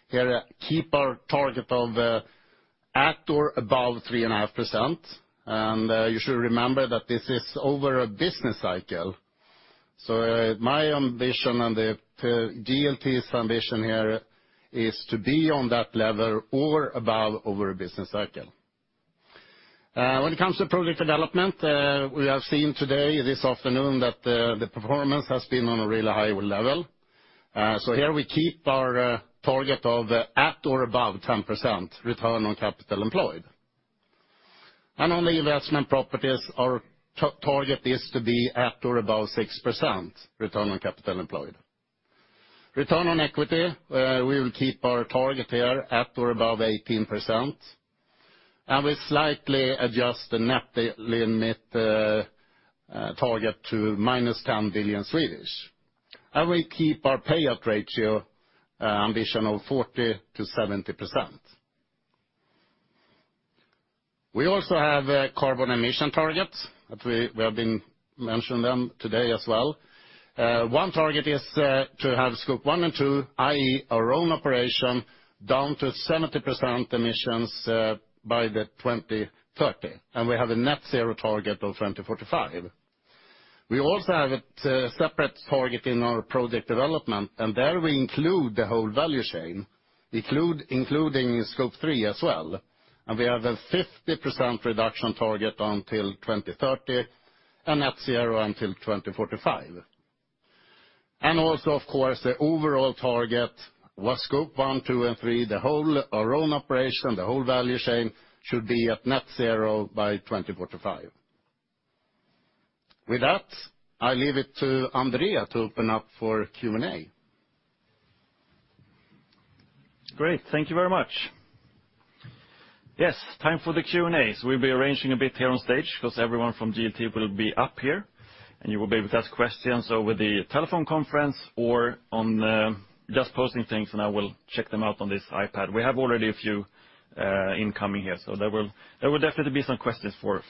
here keep our target of at or above 3.5%. You should remember that this is over a business cycle. My ambition and the GLT's ambition here is to be on that level or above over a business cycle. When it comes to Project Development, we have seen today, this afternoon, that the performance has been on a really high level. Here we keep our target of at or above 10% return on capital employed. On the Investment Properties, our target is to be at or above 6% return on capital employed. Return on equity, we will keep our target here at or above 18%. We slightly adjust the net limit target to -10 billion. We keep our payout ratio ambition of 40%-70%. We also have carbon emission targets that we have been mentioning today as well. One target is to have Scope 1 and 2, i.e., our own operation, down to 70% emissions by 2030. We have a net zero target of 2045. We also have a separate target in our Project Development, and there we include the whole value chain, including Scope 3 as well. We have a 50% reduction target until 2030, and net zero until 2045. Also, of course, the overall target was Scope 1, 2, and 3, the whole our own operation, the whole value chain should be at net zero by 2045. With that, I leave it to André to open up for Q&A. Great. Thank you very much. Yes, time for the Q&A. We'll be arranging a bit here on stage, because everyone from GLT will be up here, and you will be able to ask questions over the telephone conference or online, just posting things, and I will check them out on this iPad. We have already a few incoming here, so there will definitely be some questions for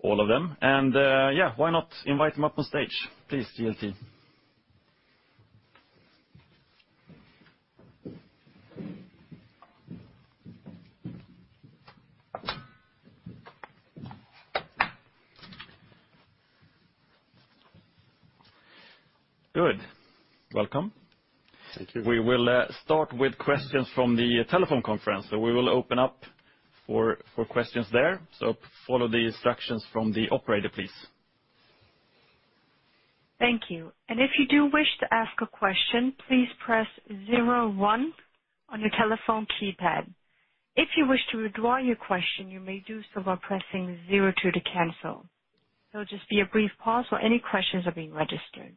all of them. Yeah, why not invite them up on stage, please, GLT? Good. Welcome. Thank you. We will start with questions from the telephone conference. We will open up for questions there. Follow the instructions from the operator, please. Thank you. And if you do wish to ask a question, please press zero one on your telephone keypad. If you wish to withdraw your question, you may do so by pressing zero two to cancel. There'll just be a brief pause while any questions are being registered.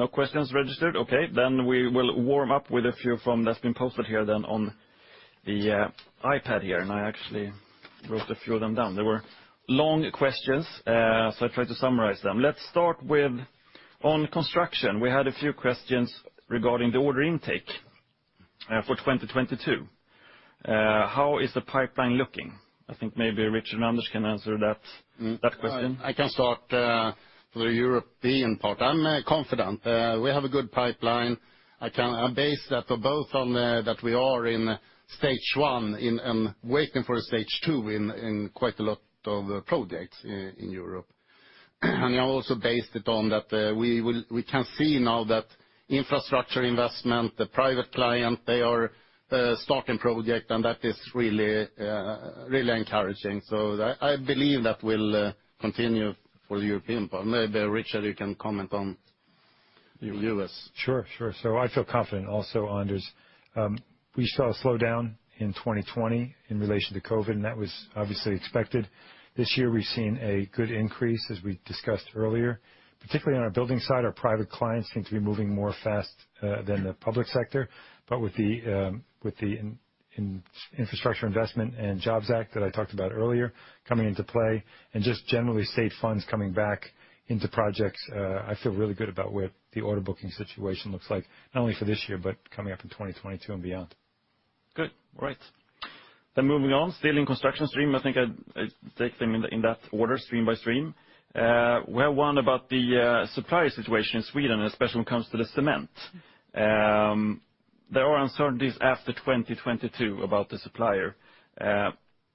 No questions registered? Okay, we will warm up with a few from those that have been posted here on the iPad here. I actually wrote a few of them down. They were long questions, so I tried to summarize them. Let's start with on construction. We had a few questions regarding the order intake for 2022. How is the pipeline looking? I think maybe Richard and Anders can answer that question. I can start for the European part. I'm confident. We have a good pipeline. I base that both on that we are in stage one and waiting for stage two in quite a lot of projects in Europe. I also based it on that we can see now that Infrastructure Investment, the private clients, they are starting projects, and that is really encouraging. I believe that will continue for the European part. Maybe Richard, you can comment on U.S. Sure, sure. I feel confident also, Anders. We saw a slowdown in 2020 in relation to COVID, and that was obviously expected. This year, we've seen a good increase, as we discussed earlier. Particularly on our building side, our private clients seem to be moving more fast than the public sector. With the Infrastructure Investment and Jobs Act that I talked about earlier coming into play and just generally state funds coming back into projects, I feel really good about where the order booking situation looks like, not only for this year, but coming up in 2022 and beyond. Good. All right. Moving on, still in Construction stream, I think I take them in that order, stream by stream. Where one about the supplier situation in Sweden, especially when it comes to the cement. There are uncertainties after 2022 about the supplier.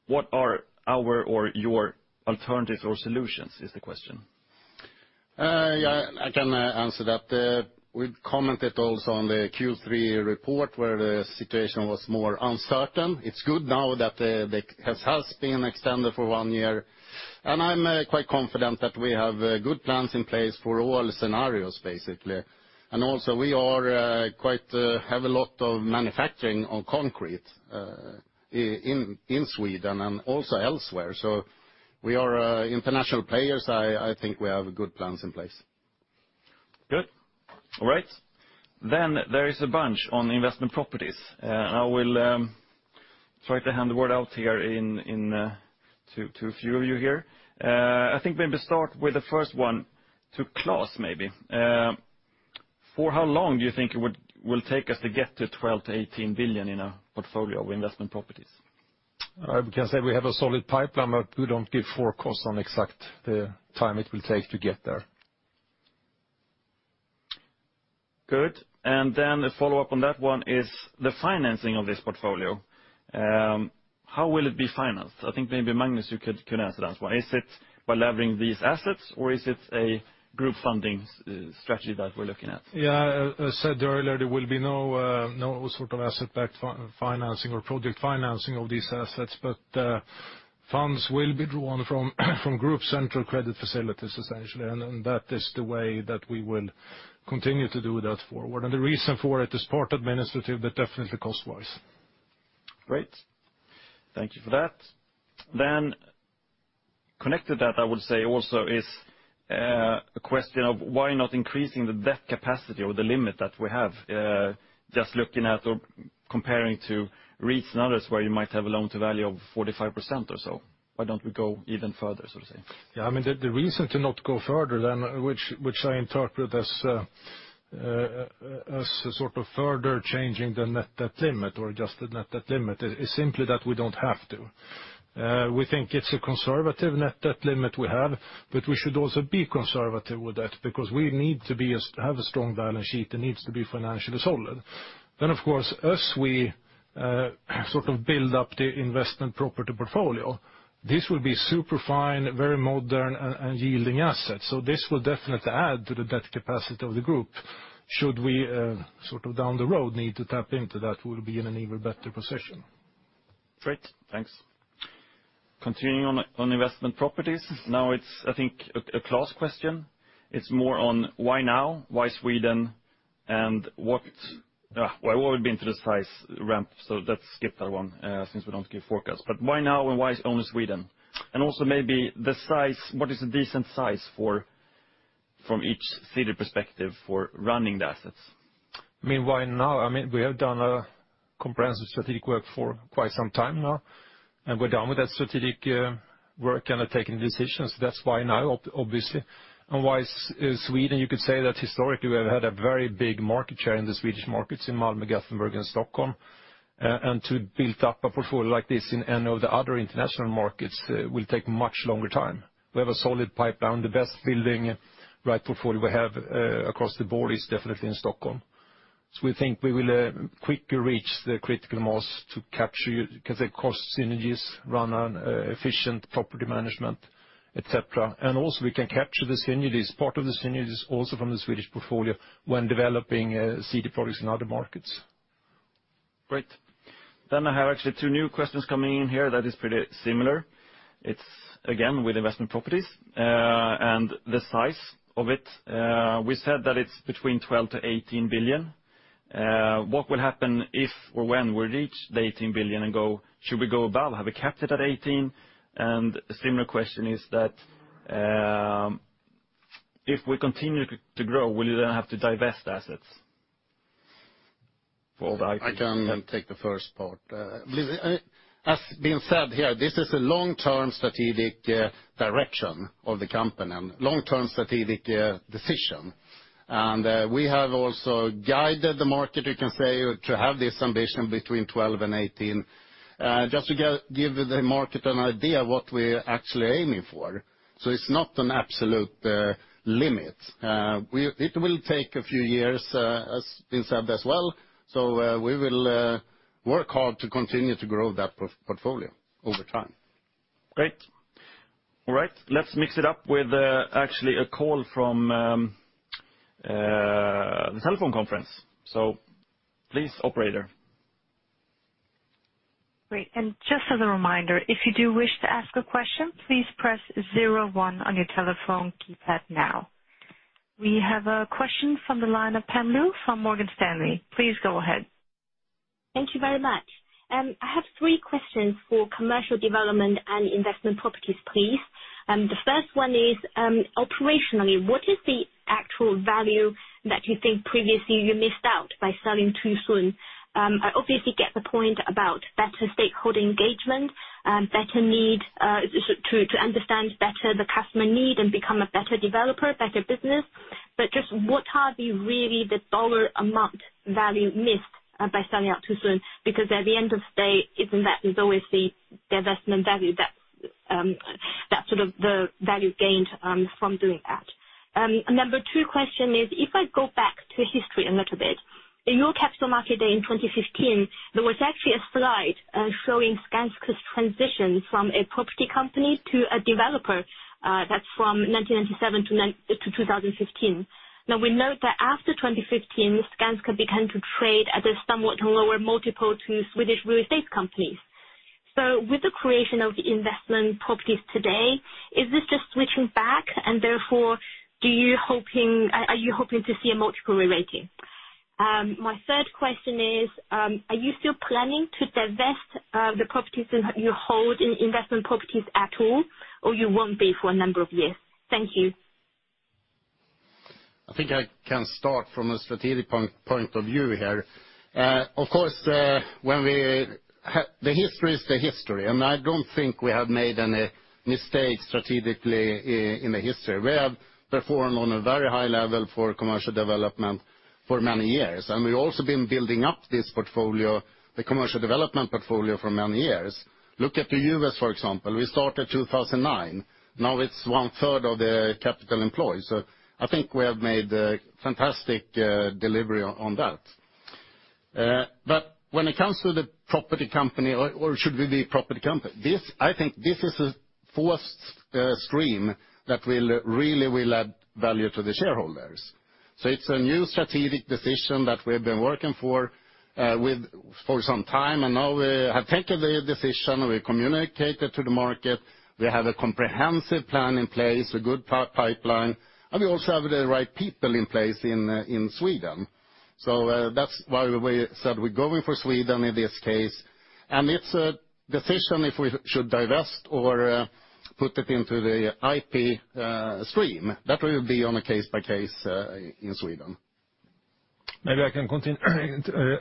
What are our or your alternatives or solutions is the question? Yeah, I can answer that. We've commented also on the Q3 report where the situation was more uncertain. It's good now that it has been extended for one year. I'm quite confident that we have good plans in place for all scenarios, basically. We have quite a lot of manufacturing of concrete in Sweden and also elsewhere. We are international players. I think we have good plans in place. Good. All right. There is a bunch on Investment Properties. I will try to hand it over to a few of you here. I think maybe start with the first one to Claes, maybe. For how long do you think it will take us to get to 12 billion-18 billion in a portfolio of Investment Properties? I can say we have a solid pipeline, but we don't give forecast on exact time it will take to get there. Good. A follow-up on that one is the financing of this portfolio. How will it be financed? I think maybe Magnus, you could answer that one. Is it by levering these assets or is it a group funding strategy that we're looking at? Yeah, as said earlier, there will be no sort of asset-backed financing or project financing of these assets, but funds will be drawn from group central credit facilities, essentially. That is the way that we will continue to do that forward. The reason for it is part administrative, but definitely cost-wise. Great. Thank you for that. Connected that, I would say also, is a question of why not increasing the debt capacity or the limit that we have? Just looking at or comparing to REITs and others where you might have a loan to value of 45% or so. Why don't we go even further, so to say? Yeah, I mean, the reason to not go further than, which I interpret as a sort of further changing the net debt limit or adjust the net debt limit, is simply that we don't have to. We think it's a conservative net debt limit we have, but we should also be conservative with that because we need to have a strong balance sheet that needs to be financially solid. Of course, as we sort of build up the investment property portfolio, this will be super fine, very modern and yielding assets. This will definitely add to the debt capacity of the group should we sort of down the road need to tap into that, we'll be in an even better position. Great. Thanks. Continuing on Investment Properties. Now it's I think a Claes question. It's more on why now, why Sweden. Why would it be into the size ramp? Let's skip that one, since we don't give forecasts. Why now, and why it's only Sweden? Also maybe the size, what is a decent size for, from each city perspective for running the assets? I mean, why now? I mean, we have done a comprehensive strategic work for quite some time now, and we're done with that strategic work and are taking decisions. That's why now obviously. Why Sweden? You could say that historically, we have had a very big market share in the Swedish markets in Malmö, Gothenburg, and Stockholm. To build up a portfolio like this in any of the other international markets will take much longer time. We have a solid pipeline. The best building rights portfolio we have across the board is definitely in Stockholm. We think we will quickly reach the critical mass to capture, you can say, cost synergies, run an efficient property management, et cetera. We can capture the synergies. Part of the synergy is also from the Swedish portfolio when developing city products in other markets. Great. I have actually two new questions coming in here that is pretty similar. It's again with Investment Properties, and the size of it. We said that it's between 12 billion-18 billion. What will happen if or when we reach the 18 billion and go, should we go above? Have we capped it at eighteen? A similar question is that, if we continue to grow, will you then have to divest assets for all the IP you have? I can take the first part. As has been said here, this is a long-term strategic direction of the company and long-term strategic decision. We have also guided the market, you can say, to have this ambition between 12 billion and 18 billion, just to give the market an idea what we're actually aiming for. It's not an absolute limit. It will take a few years, as has been said as well. We will work hard to continue to grow that portfolio over time. Great. All right. Let's mix it up with actually a call from the telephone conference. Please, operator. Great. Just as a reminder, if you do wish to ask a question, please press zero one on your telephone keypad now. We have a question from the line of Pam Liu from Morgan Stanley. Please go ahead. Thank you very much. I have three questions for Commercial Development and Investment Properties, please. The first one is, operationally, what is the actual value that you think previously you missed out by selling too soon? I obviously get the point about better stakeholder engagement, better need to understand better the customer need and become a better developer, better business. Just what is really the dollar amount value missed by selling out too soon? Because at the end of the day, isn't that always the investment value that's sort of the value gained from doing that. Number two question is, if I go back to history a little bit, in your Capital Market Day in 2015, there was actually a slide showing Skanska's transition from a property company to a developer, that's from 1997 to 2015. Now, we note that after 2015, Skanska began to trade at a somewhat lower multiple to Swedish real estate companies. With the creation of Investment Properties today, is this just switching back? And therefore, are you hoping to see a multiple rerating? My third question is, are you still planning to divest the properties that you hold in Investment Properties at all, or you won't be for a number of years? Thank you. I think I can start from a strategic point of view here. Of course, the history is the history, and I don't think we have made any mistakes strategically in the history. We have performed on a very high level for Commercial Development for many years, and we've also been building up this portfolio, the Commercial Development portfolio for many years. Look at the U.S., for example. We started 2009. Now it's one third of the capital employed. I think we have made a fantastic delivery on that. When it comes to the property company or should we be property company, this, I think this is a fourth stream that will really add value to the shareholders. It's a new strategic decision that we've been working with for some time, and now we have taken the decision. We communicated to the market. We have a comprehensive plan in place, a good pipeline, and we also have the right people in place in Sweden. That's why we said we're going for Sweden in this case. It's a decision if we should divest or put it into the IP stream. That will be on a case by case in Sweden. Maybe I can continue.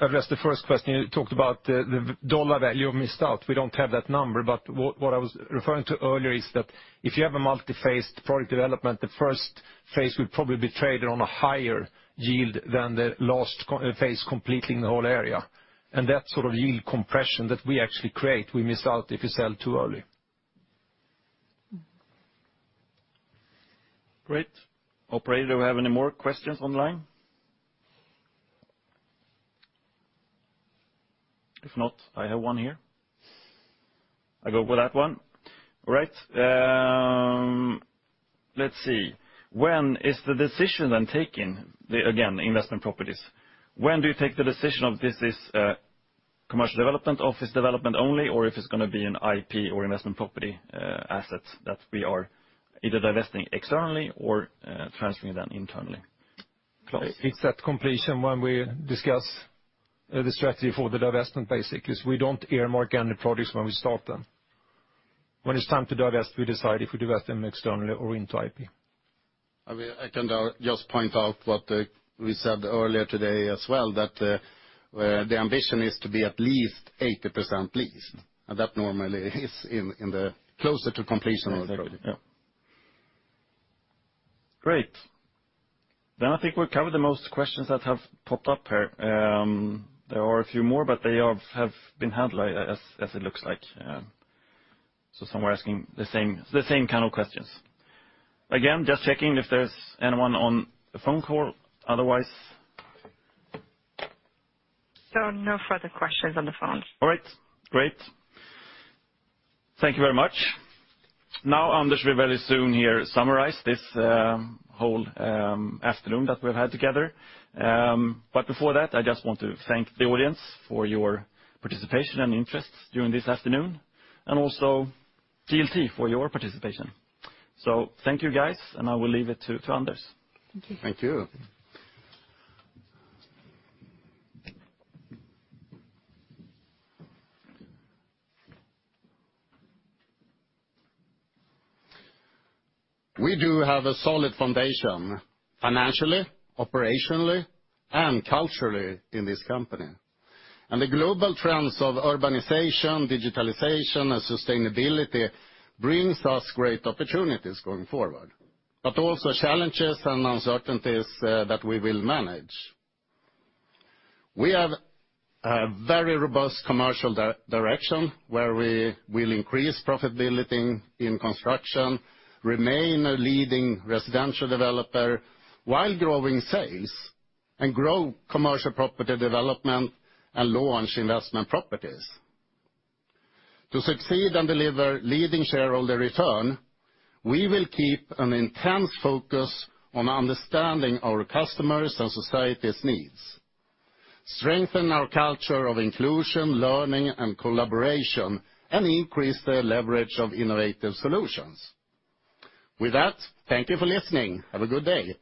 Address the first question. You talked about the dollar value missed out. We don't have that number, but what I was referring to earlier is that if you have a multi-phased Product Development, the first phase will probably be traded on a higher yield than the last phase completing the whole area. That sort of yield compression that we actually create, we miss out if we sell too early. Great. Operator, do we have any more questions online? If not, I have one here. I go with that one. All right, let's see. When is the decision then taken? Again, Investment Properties. When do you take the decision of this is Commercial Development, office development only, or if it's going to be an IP or Investment Property assets that we are either divesting externally or transferring them internally? Claes. It's at completion when we discuss the strategy for the divestment, basically. We don't earmark any projects when we start them. When it's time to divest, we decide if we divest them externally or into IP. I mean, I can just point out what we said earlier today as well, that the ambition is to be at least 80% leased. That normally is in the closer to completion of the project. Exactly, yeah. Great. I think we've covered the most questions that have popped up here. There are a few more, but they have been handled as it looks like. Some are asking the same kind of questions. Again, just checking if there's anyone on the phone call. Otherwise. No further questions on the phone. All right, great. Thank you very much. Now, Anders will very soon here summarize this whole afternoon that we've had together. But before that, I just want to thank the audience for your participation and interest during this afternoon, and also GLT for your participation. Thank you guys, and I will leave it to Anders. Thank you. Thank you. We do have a solid foundation financially, operationally, and culturally in this company. The global trends of urbanization, digitalization, and sustainability brings us great opportunities going forward, but also challenges and uncertainties that we will manage. We have a very robust commercial direction where we will increase profitability in Construction, remain a leading residential developer while growing sales, and grow Commercial Property Development and launch Investment Properties. To succeed and deliver leading shareholder return, we will keep an intense focus on understanding our customers and society's needs, strengthen our culture of inclusion, learning, and collaboration, and increase the leverage of innovative solutions. With that, thank you for listening. Have a good day.